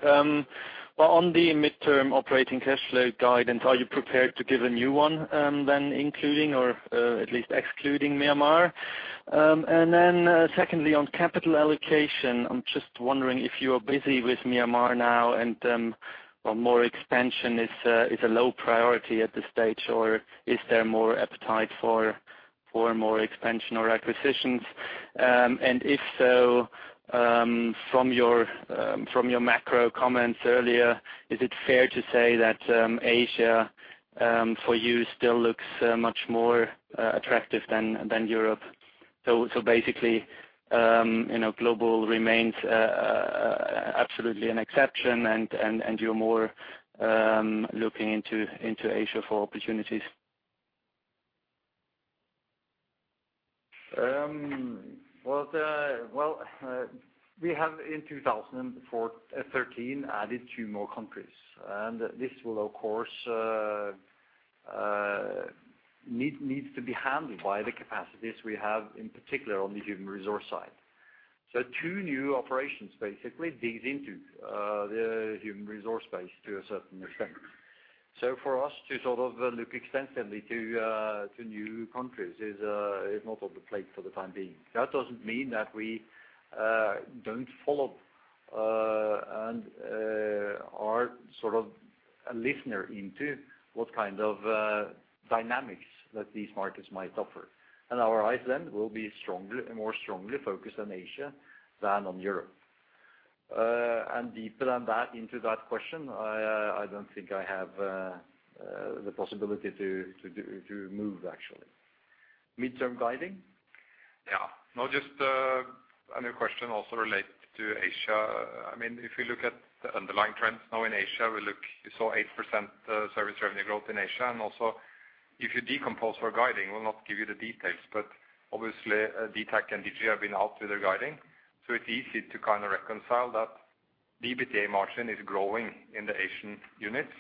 Well, on the midterm operating cash flow guidance, are you prepared to give a new one, then including or at least excluding Myanmar? And then, secondly, on capital allocation, I'm just wondering if you are busy with Myanmar now and or more expansion is a low priority at this stage, or is there more appetite for more expansion or acquisitions? And if so, from your macro comments earlier, is it fair to say that Asia for you still looks much more attractive than Europe? So basically, you know, Globul remains absolutely an exception, and you're more looking into Asia for opportunities? Well, well, we have in 2013 added 2 more countries. And this will, of course, needs to be handled by the capacities we have, in particular, on the human resource side. So 2 new operations basically digs into the human resource base to a certain extent. So for us to sort of look extensively to new countries is not on the plate for the time being. That doesn't mean that we don't follow up and are sort of a listener into what kind of dynamics that these markets might offer. And our eyes then will be strongly, more strongly focused on Asia than on Europe. And deeper than that, into that question, I don't think I have the possibility to move actually. Mid-term guiding? Yeah. No, just, a new question also related to Asia. I mean, if you look at the underlying trends now in Asia, you saw 8% service revenue growth in Asia. And also, if you decompose our guiding, we'll not give you the details, but obviously, dtac and Digi have been out with their guiding. So it's easy to kind of reconcile that the EBITDA margin is growing in the Asian units,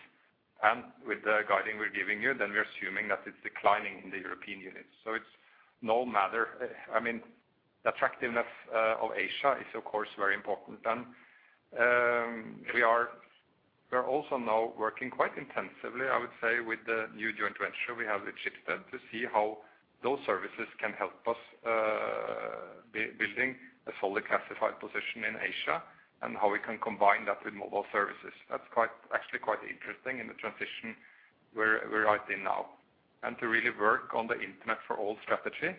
and with the guiding we're giving you, then we're assuming that it's declining in the European units. So it's no matter, I mean, the attractiveness of Asia is, of course, very important. We are, we're also now working quite intensively, I would say, with the new joint venture we have with Schibsted, to see how those services can help us, building a solid classified position in Asia, and how we can combine that with mobile services. That's quite, actually quite interesting in the transition we're right in now. To really work on the Internet for All strategy,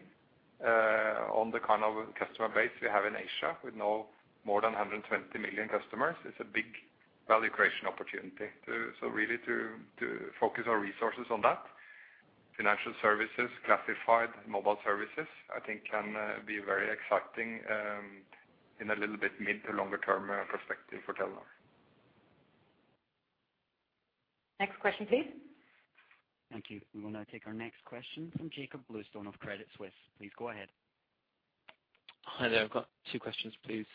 on the kind of customer base we have in Asia, with now more than 120 million customers, it's a big value creation opportunity. So really to focus our resources on that, financial services, classified, mobile services, I think can be very exciting, in a little bit mid to longer term perspective for Telenor. Next question, please. Thank you. We will now take our next question from Jakob Bluestone of Credit Suisse. Please go ahead. Hi there. I've got two questions, please.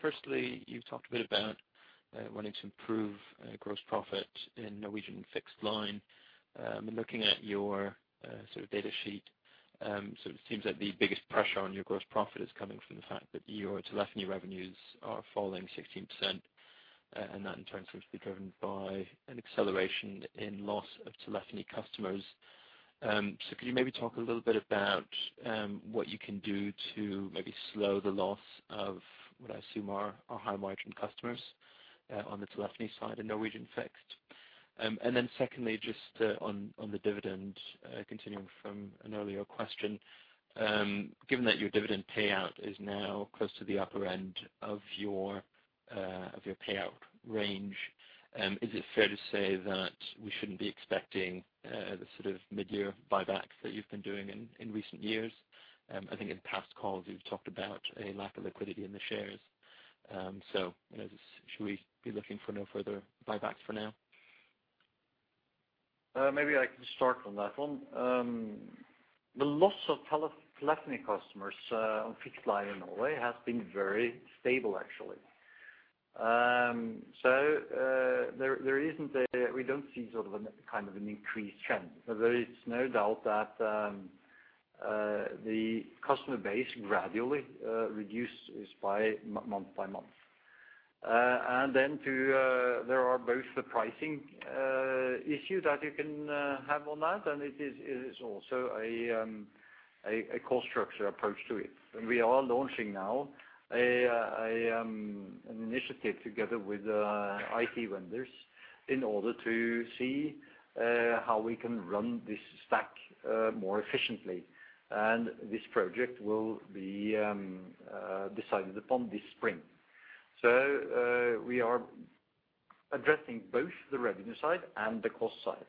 Firstly, you've talked a bit about wanting to improve gross profit in Norwegian fixed line. And looking at your sort of data sheet, so it seems like the biggest pressure on your gross profit is coming from the fact that your telephony revenues are falling 16%, and that in turn seems to be driven by an acceleration in loss of telephony customers. So could you maybe talk a little bit about what you can do to maybe slow the loss of what I assume are high-margin customers on the telephony side in Norwegian fixed? And then secondly, just, on, on the dividend, continuing from an earlier question, given that your dividend payout is now close to the upper end of your, of your payout range, is it fair to say that we shouldn't be expecting, the sort of mid-year buybacks that you've been doing in, in recent years? I think in past calls, you've talked about a lack of liquidity in the shares. So, you know, should we be looking for no further buybacks for now? Maybe I can start on that one. The loss of telephony customers on fixed line in Norway has been very stable, actually. So, we don't see sort of an, kind of an increased trend, but there is no doubt that the customer base gradually reduces month by month. And then there are both the pricing issue that you can have on that, and it is also a cost structure approach to it. And we are launching now an initiative together with IT vendors, in order to see how we can run this stack more efficiently. And this project will be decided upon this spring. So, we are addressing both the revenue side and the cost side.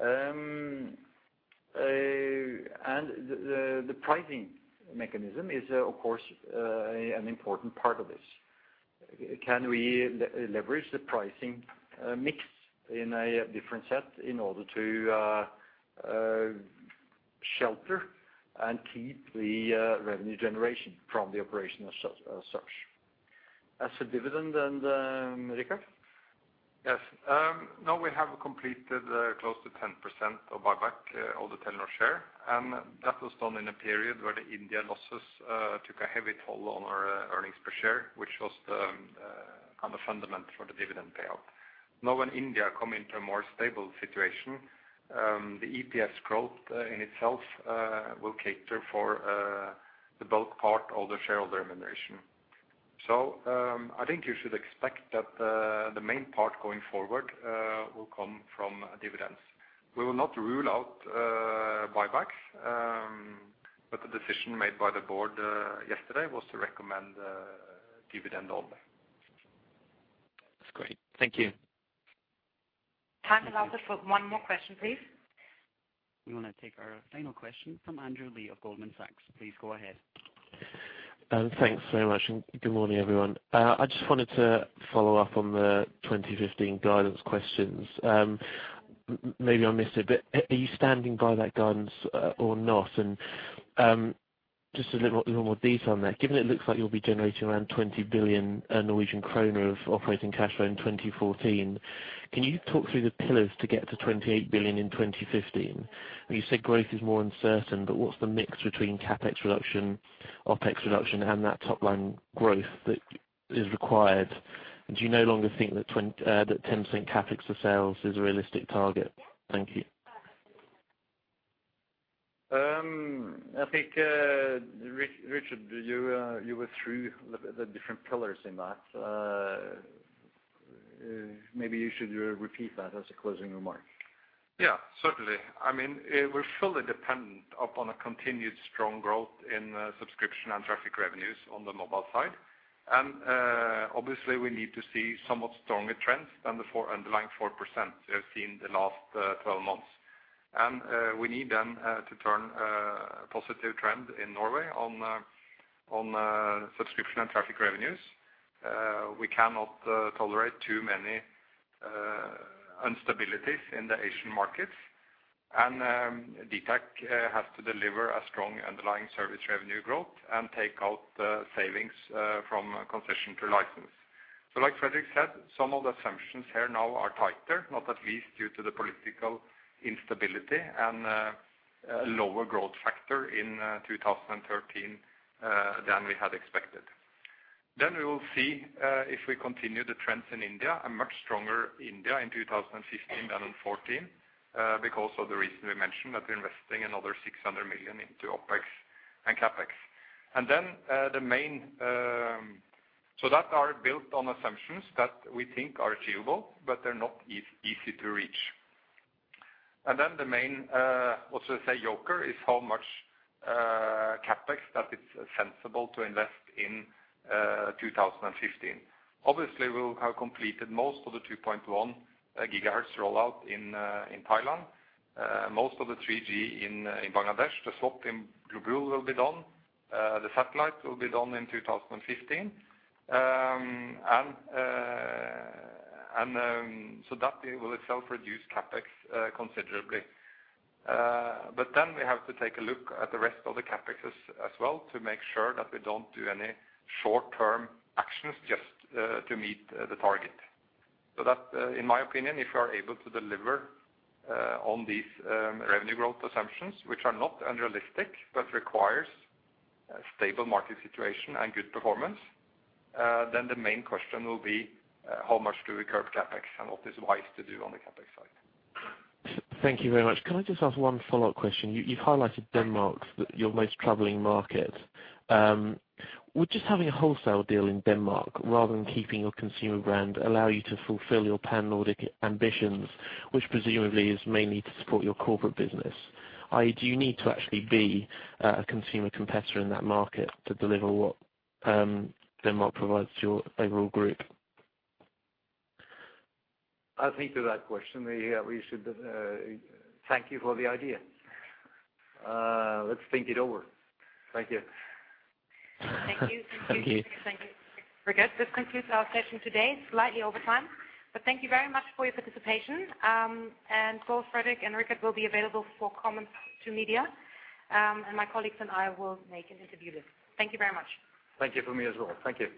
And the pricing mechanism is, of course, an important part of this. Can we leverage the pricing mix in a different set in order to shelter and keep the revenue generation from the operation as such. As for dividend, then, Richard? Yes. Now we have completed close to 10% of buyback of the Telenor share, and that was done in a period where the India losses took a heavy toll on our earnings per share, which was the on the fundament for the dividend payout. Now, when India come into a more stable situation, the EPS growth in itself will cater for the bulk part of the shareholder remuneration. So, I think you should expect that the main part going forward will come from dividends. We will not rule out buybacks, but the decision made by the board yesterday was to recommend dividend only. That's great. Thank you. Time allows us for one more question, please. We want to take our final question from Andrew Lee of Goldman Sachs. Please go ahead. Thanks very much, and good morning, everyone. I just wanted to follow up on the 2015 guidance questions. Maybe I missed it, but are you standing by that guidance, or not? And just a little more detail on that. Given it looks like you'll be generating around 20 billion Norwegian kroner of operating cash flow in 2014, can you talk through the pillars to get to 28 billion in 2015? And you said growth is more uncertain, but what's the mix between CapEx reduction, OpEx reduction, and that top line growth that is required? Do you no longer think that 10% CapEx for sales is a realistic target? Thank you. I think, Richard, you were through the different pillars in that. Maybe you should repeat that as a closing remark. Yeah, certainly. I mean, it will fully dependent upon a continued strong growth in subscription and traffic revenues on the mobile side. And, obviously, we need to see somewhat stronger trends than the 4% underlying 4% we have seen the last 12 months. And, we need them to turn positive trend in Norway on subscription and traffic revenues. We cannot tolerate too many instabilities in the Asian markets. And, dtac has to deliver a strong underlying service revenue growth and take out the savings from concession to license. So, like Fredrik said, some of the assumptions here now are tighter, not at least due to the political instability and lower growth factor in 2013 than we had expected. Then we will see, if we continue the trends in India, a much stronger India in 2015 than in 2014, because of the reason we mentioned, that we're investing another 600 million into OpEx and CapEx. And then, the main. So that are built on assumptions that we think are achievable, but they're not easy to reach. And then the main, also say, joker, is how much CapEx that it's sensible to invest in 2015. Obviously, we'll have completed most of the 2.1 GHz rollout in Thailand, most of the 3G in Bangladesh. The swap in Globul will be done, the satellite will be done in 2015. And so that will itself reduce CapEx considerably. But then we have to take a look at the rest of the CapEx as well, to make sure that we don't do any short-term actions just to meet the target. So that, in my opinion, if you are able to deliver on these revenue growth assumptions, which are not unrealistic, but requires a stable market situation and good performance, then the main question will be, how much do we curb CapEx and what is wise to do on the CapEx side? Thank you very much. Can I just ask one follow-up question? You've highlighted Denmark as your most troubling market. Would just having a wholesale deal in Denmark, rather than keeping your consumer brand, allow you to fulfill your pan-Nordic ambitions, which presumably is mainly to support your corporate business? Do you need to actually be a consumer competitor in that market to deliver what Denmark provides to your overall group? I'll think to that question. We, we should... Thank you for the idea. Let's think it over. Thank you. Thank you. Thank you. Thank you. Thank you. Very good. This concludes our session today, slightly over time, but thank you very much for your participation. And so Fredrik and Richard will be available for comments to media, and my colleagues and I will make an interview list. Thank you very much. Thank you for me as well. Thank you.